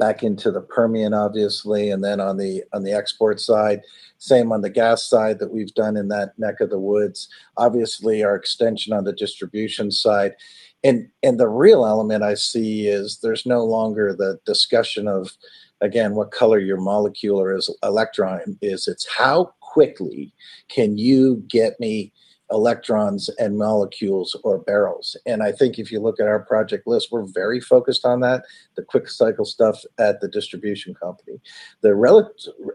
back into the Permian obviously, and then on the export side. Same on the gas side that we've done in that neck of the woods. Obviously, our extension on the distribution side. The real element I see is there's no longer the discussion of, again, what color your molecule or electron is. It's how quickly can you get me electrons and molecules or barrels? I think if you look at our project list, we're very focused on that, the quick-cycle stuff at the distribution company. The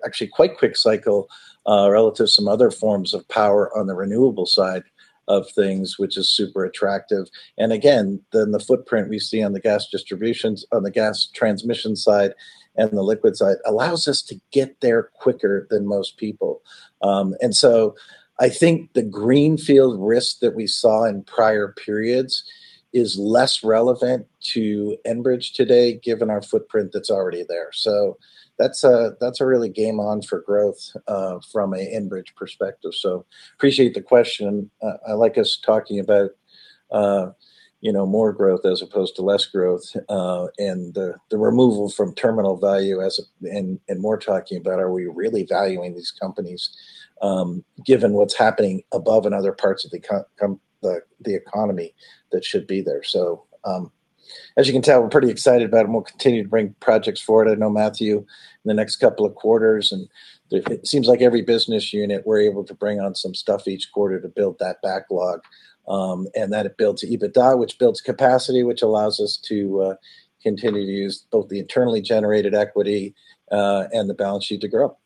actually quite quick cycle, relative to some other forms of power on the renewable side of things, which is super attractive. Again, the footprint we see on the Gas Transmission side and the Liquids side allows us to get there quicker than most people. I think the greenfield risk that we saw in prior periods is less relevant to Enbridge today given our footprint that's already there. That's a really game on for growth, from a Enbridge perspective. Appreciate the question. I like us talking about, you know, more growth as opposed to less growth, and the removal from terminal value and more talking about are we really valuing these companies, given what's happening above in other parts of the economy that should be there. As you can tell, we're pretty excited about it, and we'll continue to bring projects forward. I know Matthew, in the next couple of quarters, it seems like every business unit, we're able to bring on some stuff each quarter to build that backlog. That it builds EBITDA, which builds capacity, which allows us to continue to use both the internally generated equity and the balance sheet to grow.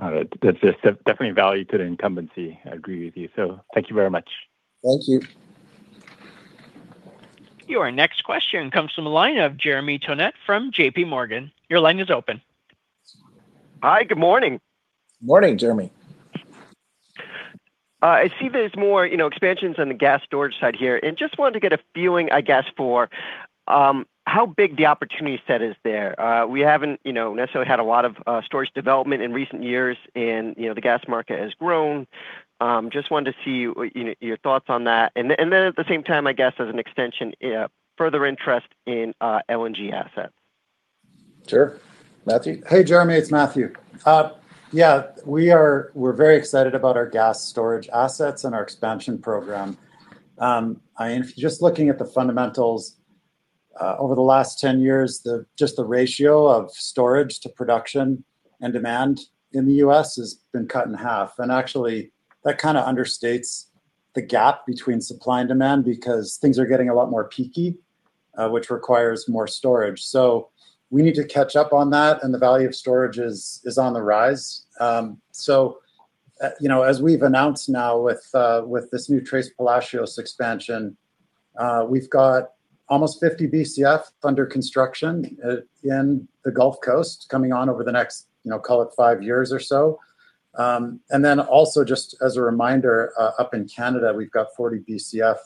All right. That's definitely value to the incumbency. I agree with you. Thank you very much. Thank you. Your next question comes from the line of Jeremy Tonet from JPMorgan. Your line is open. Hi, good morning. Morning, Jeremy. I see there's more, you know, expansions on the gas storage side here. Just wanted to get a feeling, I guess, for how big the opportunity set is there. We haven't, you know, necessarily had a lot of storage development in recent years and, you know, the gas market has grown. Just wanted to see, you know, your thoughts on that. And then, and then at the same time, I guess, as an extension, a further interest in LNG assets. Sure. Matthew? Hey, Jeremy, it's Matthew. Yeah, we're very excited about our gas storage assets and our expansion program. I am just looking at the fundamentals over the last 10 years, just the ratio of storage to production and demand in the U.S. has been cut in half. Actually, that kind of understates the gap between supply and demand because things are getting a lot more peaky, which requires more storage. We need to catch up on that, and the value of storage is on the rise. You know, as we've announced now with this new Tres Palacios expansion, we've got almost 50 BCF under construction in the Gulf Coast coming on over the next, you know, call it five years or so. Then also just as a reminder, up in Canada, we've got 40 BCF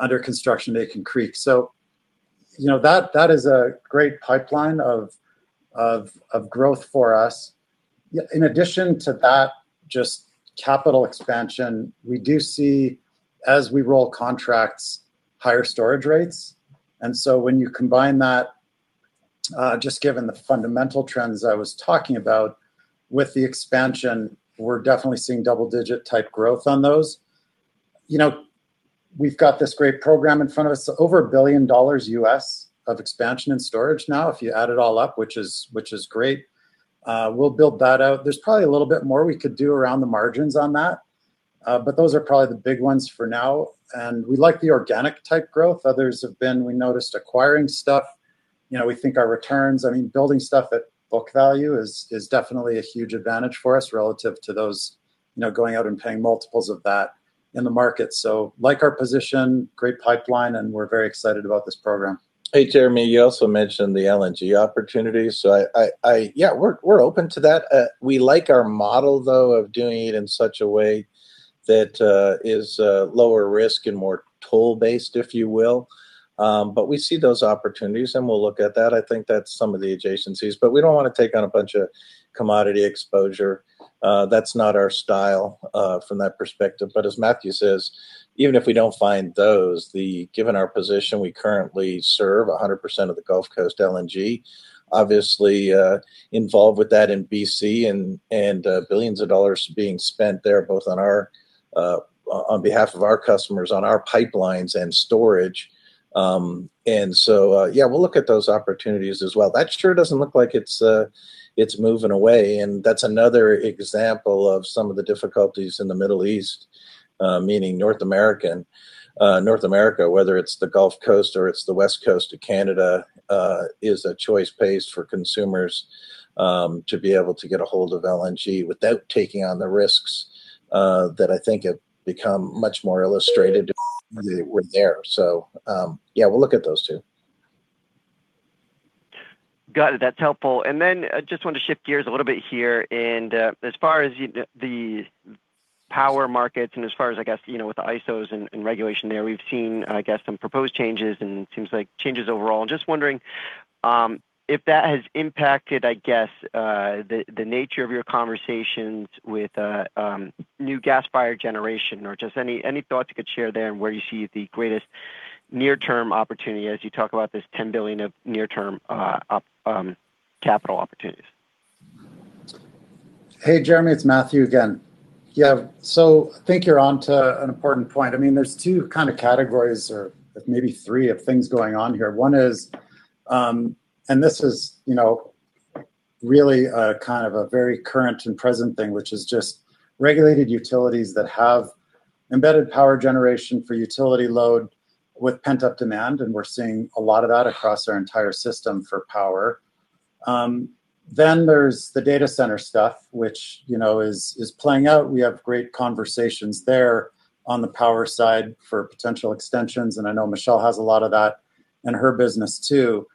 under construction at Aitken Creek. You know, that is a great pipeline of growth for us. In addition to that, just capital expansion, we do see, as we roll contracts, higher storage rates. When you combine that, just given the fundamental trends I was talking about with the expansion, we're definitely seeing double-digit type growth on those. You know, we've got this great program in front of us, over $1 billion of expansion and storage now, if you add it all up, which is great. We'll build that out. There's probably a little bit more we could do around the margins on that, but those are probably the big ones for now. We like the organic type growth. Others have been, we noticed, acquiring stuff. You know, I mean, building stuff at book value is definitely a huge advantage for us relative to those, you know, going out and paying multiples of that in the market. Like our position, great pipeline, and we're very excited about this program. Hey, Jeremy, you also mentioned the LNG opportunity. We're open to that. We like our model though of doing it in such a way that is lower risk and more toll-based, if you will. We see those opportunities, and we'll look at that. I think that's some of the adjacencies. We don't wanna take on a bunch of commodity exposure. That's not our style from that perspective. As Matthew says, even if we don't find those, given our position, we currently serve 100% of the Gulf Coast LNG. Obviously, involved with that in B.C. and billions of dollars being spent there both on our on behalf of our customers on our pipelines and storage. Yeah, we'll look at those opportunities as well. That sure doesn't look like it's moving away. That's another example of some of the difficulties in the Middle East, meaning North American. North America, whether it's the Gulf Coast or it's the West Coast of Canada, is a choice place for consumers, to be able to get a hold of LNG without taking on the risks, that I think have become much more illustrated there. Yeah, we'll look at those two. Got it. That's helpful. Then I just wanted to shift gears a little bit here. As far as the power markets and as far as, I guess, you know, with the ISOs and regulation there, we've seen, I guess, some proposed changes and seems like changes overall. Just wondering if that has impacted the nature of your conversations with new gas-fired generation or just any thoughts you could share there and where you see the greatest near-term opportunity as you talk about this 10 billion of near-term capital opportunities. Hey, Jeremy, it's Matthew again. Yeah. I think you're onto an important point. I mean, there's two kind of categories or maybe three of things going on here. One is, and this is, you know, really a kind of a very current and present thing, which is just regulated utilities that have embedded power generation for utility load with pent-up demand, and we're seeing a lot of that across our entire system for power. There's the data center stuff, which, you know, is playing out. We have great conversations there on the power side for potential extensions, and I know Michele has a lot of that in her business too.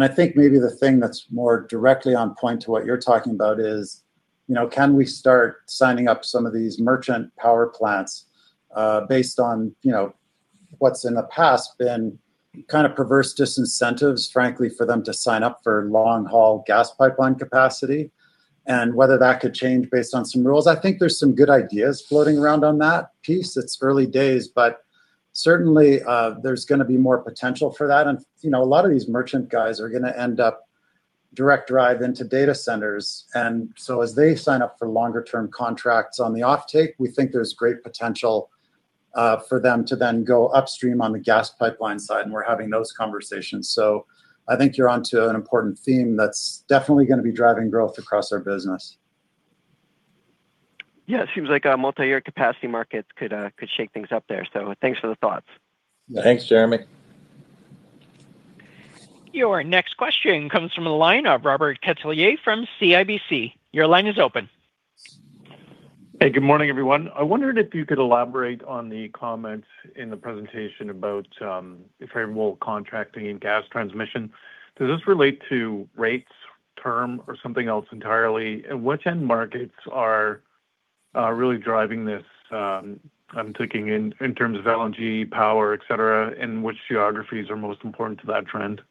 I think maybe the thing that's more directly on point to what you're talking about is, you know, can we start signing up some of these merchant power plants, based on, you know, what's in the past been kind of perverse disincentives, frankly, for them to sign up for long-haul gas pipeline capacity, and whether that could change based on some rules. I think there's some good ideas floating around on that piece. It's early days, but certainly, there's gonna be more potential for that. You know, a lot of these merchant guys are gonna end up direct drive into data centers. As they sign up for longer-term contracts on the offtake, we think there's great potential for them to then go upstream on the gas pipeline side, and we're having those conversations. I think you're onto an important theme that's definitely gonna be driving growth across our business. Yeah. It seems like multi-year capacity markets could shake things up there. Thanks for the thoughts. Thanks, Jeremy. Your next question comes from the line of Robert Catellier from CIBC. Your line is open. Hey, good morning, everyone. I wondered if you could elaborate on the comments in the presentation about favorable contracting in Gas Transmission. Does this relate to rates, term, or something else entirely? Which end markets are really driving this, I'm thinking in terms of LNG, power, et cetera, and which geographies are most important to that trend?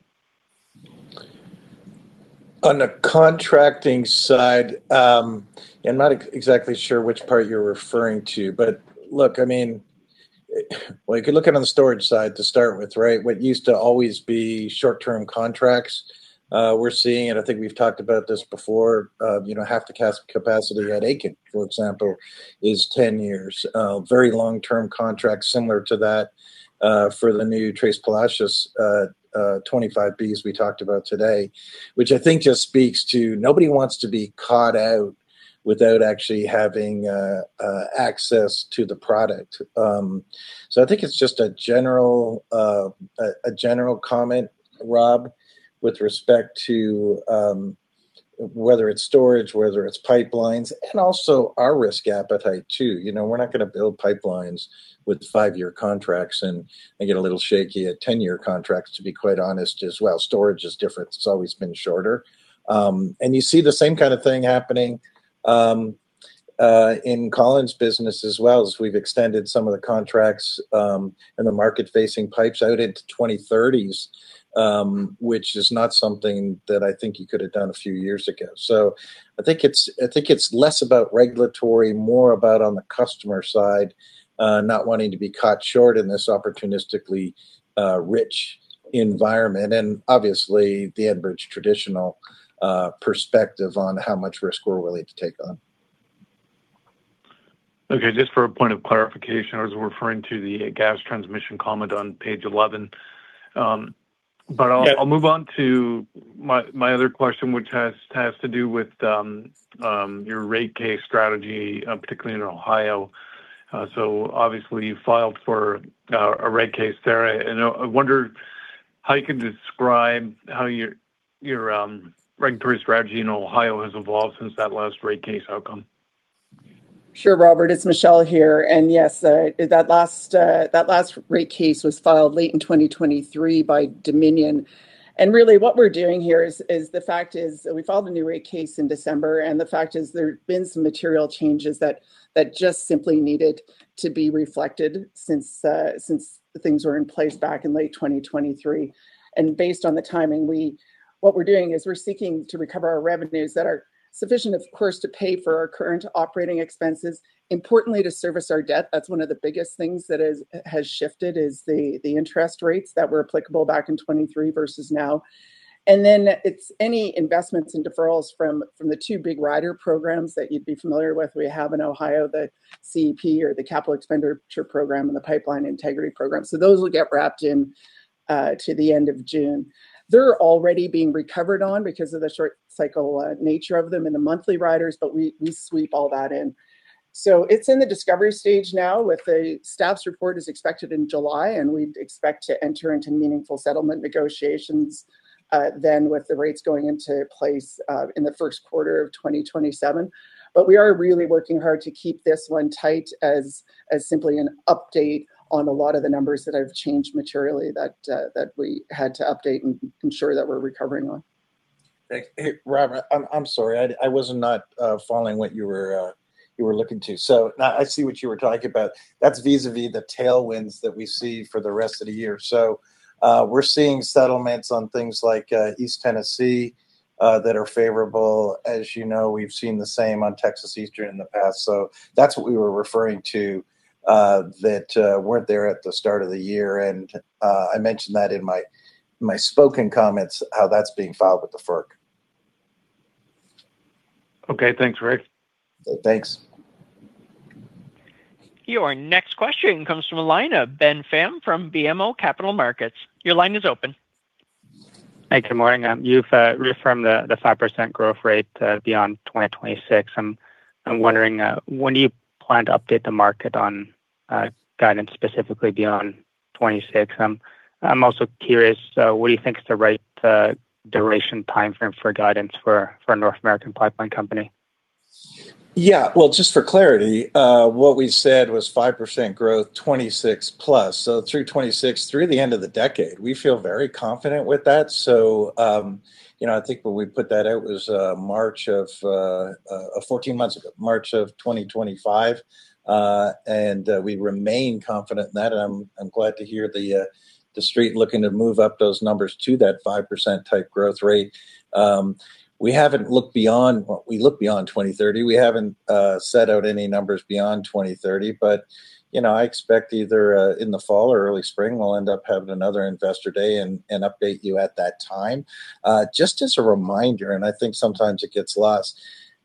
On the contracting side, I'm not exactly sure which part you're referring to, look, I mean, well, you could look it on the storage side to start with, right? What used to always be short-term contracts, we're seeing, and I think we've talked about this before, you know, half the capacity at Aitken Creek, for example, is 10 years. Very long-term contracts similar to that, for the new Tres Palacios, 25 BCF we talked about today, which I think just speaks to nobody wants to be caught out without actually having access to the product. I think it's just a general, a general comment, Rob, with respect to whether it's storage, whether it's pipelines, and also our risk appetite too. You know, we're not gonna build pipelines with five-year contracts and they get a little shaky at 10-year contracts, to be quite honest as well. Storage is different. It's always been shorter. You see the same kind of thing happening, in Colin's business as well as we've extended some of the contracts, and the market-facing pipes out into 2030s, which is not something that I think you could have done a few years ago. I think it's, I think it's less about regulatory, more about on the customer side, not wanting to be caught short in this opportunistically, rich environment, and obviously the Enbridge traditional, perspective on how much risk we're willing to take on. Okay. Just for a point of clarification, I was referring to the Gas Transmission comment on page 11. I'll move on to my other question which has to do with your rate case strategy, particularly in Ohio. Obviously you filed for a rate case there. I wondered how you can describe how your regulatory strategy in Ohio has evolved since that last rate case outcome. Sure, Robert, it's Michele here. Yes, that last, that last rate case was filed late in 2023 by Dominion. Really what we're doing here is the fact is we filed a new rate case in December, and the fact is there have been some material changes that just simply needed to be reflected since things were in place back in late 2023. Based on the timing, we What we're doing is we're seeking to recover our revenues that are sufficient, of course, to pay for our current operating expenses, importantly, to service our debt. That's one of the biggest things that has shifted is the interest rates that were applicable back in 2023 versus now. Then it's any investments and deferrals from the two big rider programs that you'd be familiar with. We have in Ohio the CEP or the Capital Expenditure Program and the Pipeline Integrity Program. Those will get wrapped in to the end of June. They're already being recovered on because of the short cycle nature of them in the monthly riders, but we sweep all that in. It's in the discovery stage now with the staff's report is expected in July, and we'd expect to enter into meaningful settlement negotiations then with the rates going into place in the first quarter of 2027. We are really working hard to keep this one tight as simply an update on a lot of the numbers that have changed materially that we had to update and ensure that we're recovering on. Hey, Rob, I'm sorry. I was not following what you were looking to. Now I see what you were talking about. That's vis-à-vis the tailwinds that we see for the rest of the year. We're seeing settlements on things like East Tennessee that are favorable. As you know, we've seen the same on Texas Eastern in the past. That's what we were referring to that weren't there at the start of the year. I mentioned that in my spoken comments, how that's being filed with the FERC. Okay. Thanks, Greg. Thanks. Your next question comes from the line of Ben Pham from BMO Capital Markets. Your line is open. Hey, good morning. You've reaffirmed the 5% growth rate beyond 2026. I'm wondering when do you plan to update the market on guidance specifically beyond 2026? I'm also curious what do you think is the right duration timeframe for guidance for North American pipeline company? Yeah. Well, just for clarity, what we said was 5% growth, 2026+. Through 2026, through the end of the decade. We feel very confident with that. You know, I think when we put that out, it was March of—14 months ago, March of 2025. We remain confident in that. I'm glad to hear the Street looking to move up those numbers to that 5% type growth rate. Well, we looked beyond 2030. We haven't set out any numbers beyond 2030, but, you know, I expect either in the fall or early spring we'll end up having another investor day and update you at that time. Just as a reminder, and I think sometimes it gets lost,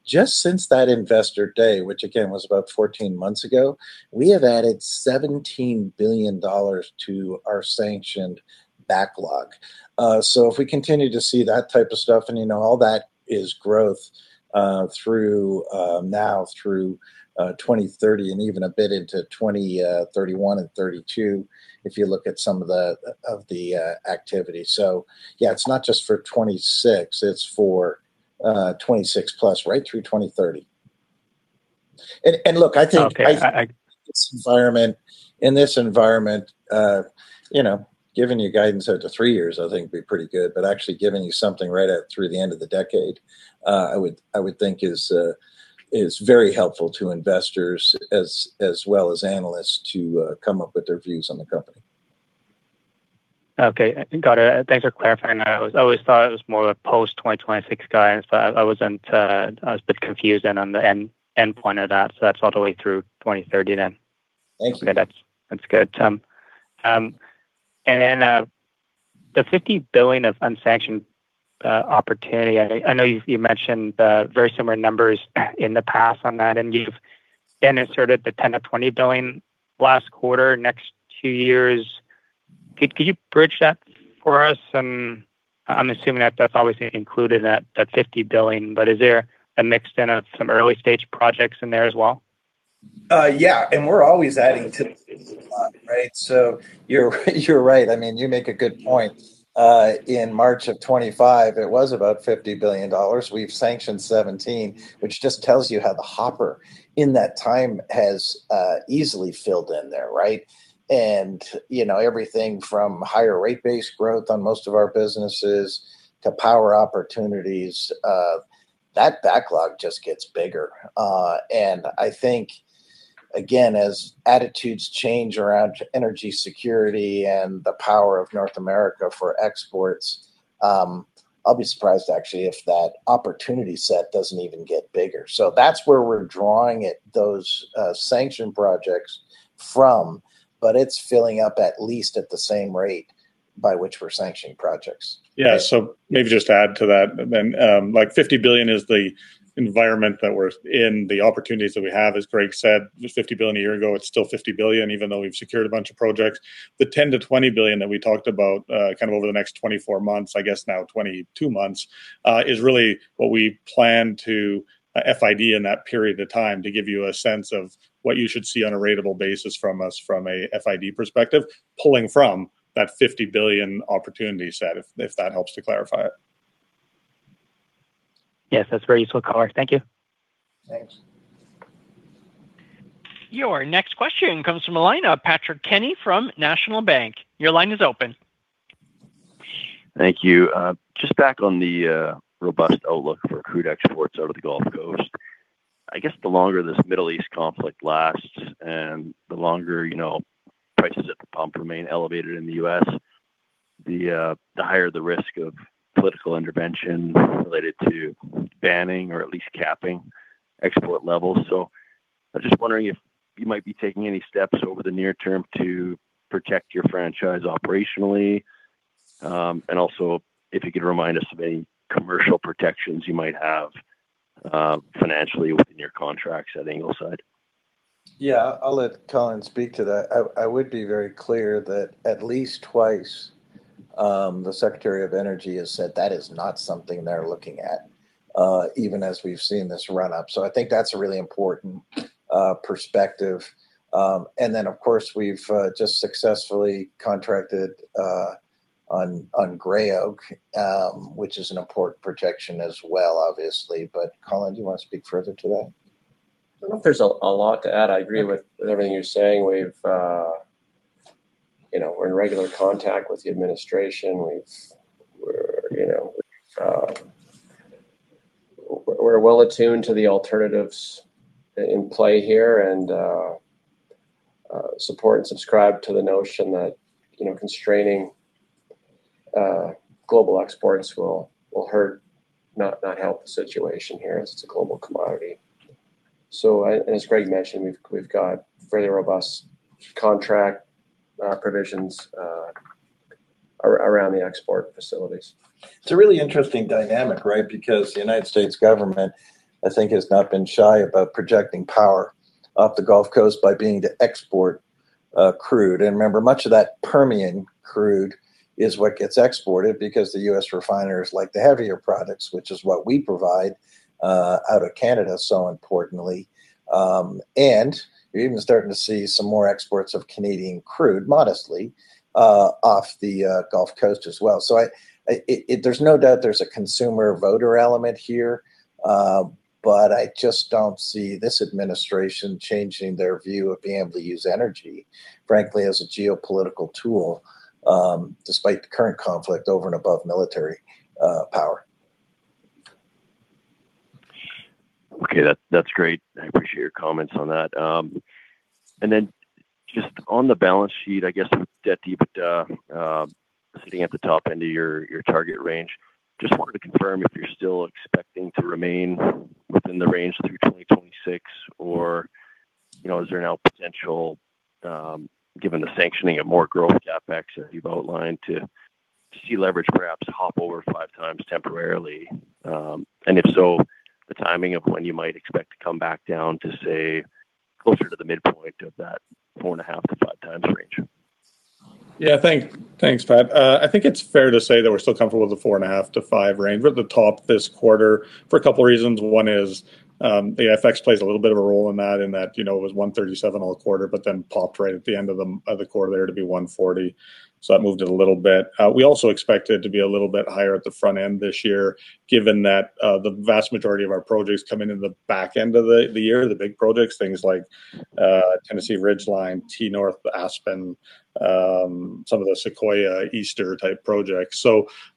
just since that Investor Day, which again was about 14 months ago, we have added 17 billion dollars to our sanctioned backlog. If we continue to see that type of stuff, and, you know, all that is growth, through now through 2030 and even a bit into 2031 and 2032 if you look at some of the activity. Yeah, it's not just for 2026, it's for 2026+, right through 2030. Okay. In this environment, you know, giving you guidance out to three years I think would be pretty good. Actually giving you something right out through the end of the decade, I would think is very helpful to investors as well as analysts to come up with their views on the company. Okay. Got it. Thanks for clarifying that. I always thought it was more of a post-2026 guidance, but I wasn't, I was a bit confused on the end point of that. That's all the way through 2030. Thanks. Okay. That's good. Then, the 50 billion of unsanctioned opportunity, I know you mentioned very similar numbers in the past on that, and you've then inserted the 10 billion-20 billion last quarter, next two years. Could you bridge that for us? I'm assuming that's obviously included in that, 50 billion, is there a mix in of some early stage projects in there as well? Yeah, we're always adding to the pipeline, right? You're right. I mean, you make a good point. In March of 2025 it was about 50 billion dollars. We've sanctioned 17, which just tells you how the hopper in that time has easily filled in there, right? You know, everything from higher rate base growth on most of our businesses to power opportunities, that backlog just gets bigger. I think, again, as attitudes change around energy security and the power of North America for exports, I'll be surprised actually if that opportunity set doesn't even get bigger. That's where we're drawing it, those sanction projects from. It's filling up at least at the same rate by which we're sanctioning projects. Maybe just to add to that then, 50 billion is the environment that we're in. The opportunities that we have, as Greg said, it was 50 billion a year ago, it's still 50 billion even though we've secured a bunch of projects. The 10 billion-20 billion that we talked about over the next 24 months, I guess now 22 months, is really what we plan to FID in that period of time to give you a sense of what you should see on a ratable basis from us from a FID perspective, pulling from that 50 billion opportunity set, if that helps to clarify it. Yes, that's very useful color. Thank you. Your next question comes from the line of Patrick Kenny from National Bank. Your line is open. Thank you. Just back on the robust outlook for crude exports out of the Gulf Coast. I guess the longer this Middle East conflict lasts and the longer, you know, prices at the pump remain elevated in the U.S., the higher the risk of political intervention related to banning or at least capping export levels. I'm just wondering if you might be taking any steps over the near term to protect your franchise operationally. Also if you could remind us of any commercial protections you might have, financially within your contracts at Ingleside. Yeah, I'll let Colin speak to that. I would be very clear that at least twice, the Secretary of Energy has said that is not something they're looking at, even as we've seen this run up. I think that's a really important perspective. Of course we've just successfully contracted on Gray Oak, which is an import protection as well, obviously. Colin, do you want to speak further to that? I don't know if there's a lot to add. I agree with everything you're saying. We've, you know, we're in regular contact with the administration. We're, you know, we're well attuned to the alternatives in play here and support and subscribe to the notion that, you know, constraining global exports will hurt, not help the situation here as it's a global commodity. As Greg mentioned, we've got fairly robust contract provisions around the export facilities. It's a really interesting dynamic, right? Because the U.S. government, I think, has not been shy about projecting power up the Gulf Coast by being the export crude. Remember, much of that Permian crude is what gets exported because the U.S. refiners like the heavier products, which is what we provide out of Canada so importantly. And you're even starting to see some more exports of Canadian crude, modestly, off the Gulf Coast as well. There's no doubt there's a consumer voter element here, but I just don't see this administration changing their view of being able to use energy, frankly, as a geopolitical tool, despite the current conflict over and above military power. Okay, that's great. I appreciate your comments on that. Then just on the balance sheet, I guess with debt to EBITDA, sitting at the top end of your target range, just wanted to confirm if you're still expecting to remain within the range through 2026. You know, is there now potential, given the sanctioning of more growth CapEx as you've outlined, to see leverage perhaps hop over 5x temporarily? If so, the timing of when you might expect to come back down to, say, closer to the midpoint of that 4.5x-5x range? Thanks, Pat. I think it's fair to say that we're still comfortable with the 4.5x-5x range. We're at the top this quarter for a couple reasons. One is, the FX plays a little bit of a role in that, in that, you know, it was 1.37 all quarter, but then popped right at the end of the quarter there to be 1.40, so that moved it a little bit. We also expect it to be a little bit higher at the front end this year given that, the vast majority of our projects come in in the back end of the year. The big projects, things like, Tennessee Ridgeline, T-North Aspen, some of the Sequoia/Easter-type projects.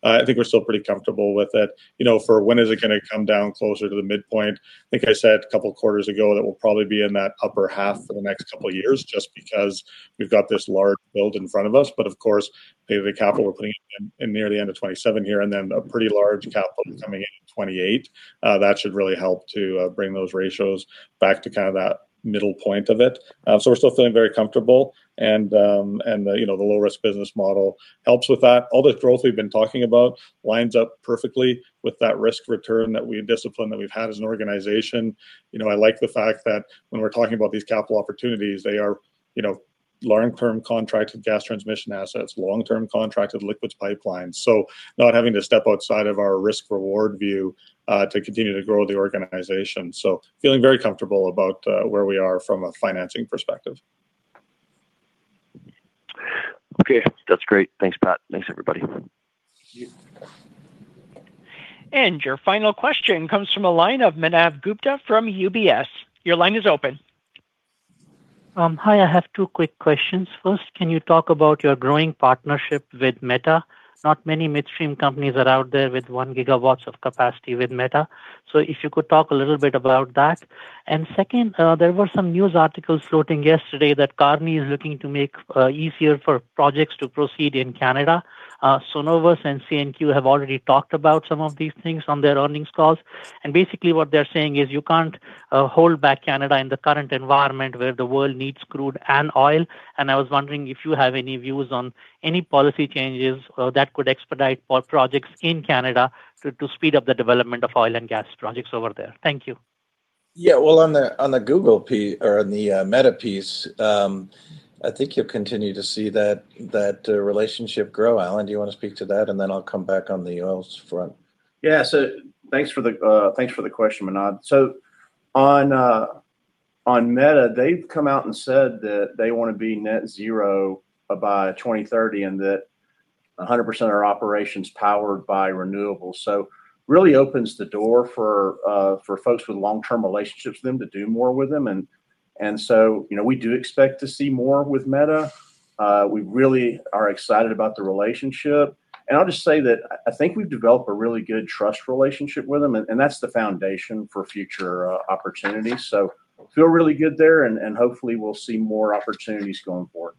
I think we're still pretty comfortable with it. You know, for when is it going to come down closer to the midpoint, I think I said a couple quarters ago that we'll probably be in that upper half for the next couple years just because we've got this large build in front of us. Of course, pay the capital we're putting in near the end of 2027 here, and then a pretty large capital coming in in 2028. That should really help to bring those ratios back to kind of that middle point of it. So we're still feeling very comfortable and, you know, the low-risk business model helps with that. All the growth we've been talking about lines up perfectly with that risk return discipline that we've had as an organization. You know, I like the fact that when we're talking about these capital opportunities, they are, you know, long-term contracts with Gas Transmission assets, long-term contracted Liquids Pipelines. Not having to step outside of our risk reward view to continue to grow the organization. Feeling very comfortable about where we are from a financing perspective. Okay. That's great. Thanks, Pat. Thanks everybody. Your final question comes from a line of Manav Gupta from UBS. Your line is open. Hi, I have two quick questions. First, can you talk about your growing partnership with Meta? Not many midstream companies are out there with 1 GW of capacity with Meta, so if you could talk a little bit about that. Second, there were some news articles floating yesterday that Carney is looking to make easier for projects to proceed in Canada. Cenovus and CNQ have already talked about some of these things on their earnings calls, and basically what they're saying is you can't hold back Canada in the current environment where the world needs crude and oil. I was wondering if you have any views on any policy changes that could expedite for projects in Canada to speed up the development of oil and gas projects over there. Thank you. Yeah. Well, on the, on the Google or on the Meta piece, I think you'll continue to see that relationship grow. Allen, do you wanna speak to that? Then I'll come back on the oils front. Yeah, thanks for the question, Manav. On Meta, they've come out and said that they wanna be net zero by 2030, and that 100% of their operation's powered by renewables. Really opens the door for folks with long-term relationships with them to do more with them. You know, we do expect to see more with Meta. We really are excited about the relationship, and I'll just say that I think we've developed a really good trust relationship with them, and that's the foundation for future opportunities. Feel really good there and hopefully we'll see more opportunities going forward.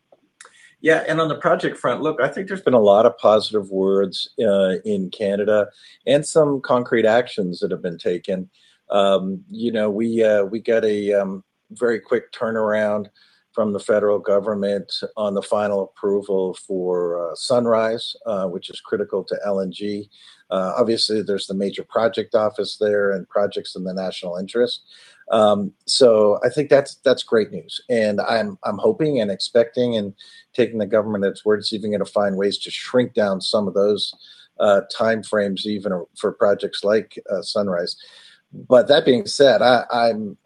Yeah. On the project front, look, I think there's been a lot of positive words in Canada and some concrete actions that have been taken. You know, we get a very quick turnaround from the federal government on the final approval for Sunrise, which is critical to LNG. Obviously there's the major project office there and projects in the national interest. I think that's great news and I'm hoping and expecting and taking the government at its word, it's even gonna find ways to shrink down some of those timeframes even for projects like Sunrise. That being said, I'm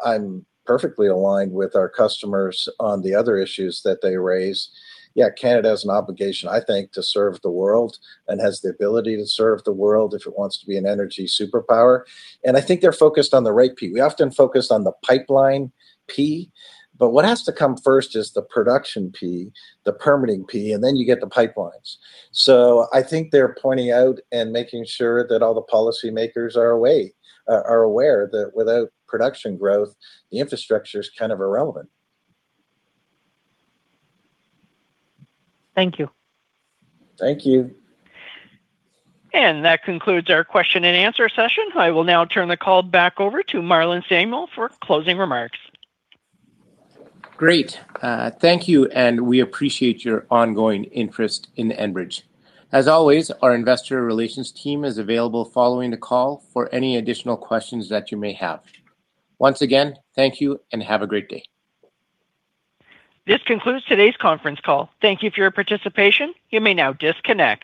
perfectly aligned with our customers on the other issues that they raise. Yeah, Canada has an obligation, I think, to serve the world and has the ability to serve the world if it wants to be an energy superpower, and I think they're focused on the right P. We often focus on the pipeline P, but what has to come first is the production P, the permitting P, and then you get the pipelines. I think they're pointing out and making sure that all the policymakers are aware, are aware that without production growth, the infrastructure's kind of irrelevant. Thank you. Thank you. That concludes our question-and-answer session. I will now turn the call back over to Marlon Samuel for closing remarks. Great. Thank you, and we appreciate your ongoing interest in Enbridge. As always, our investor relations team is available following the call for any additional questions that you may have. Once again, thank you and have a great day. This concludes today's conference call. Thank you for your participation. You may now disconnect.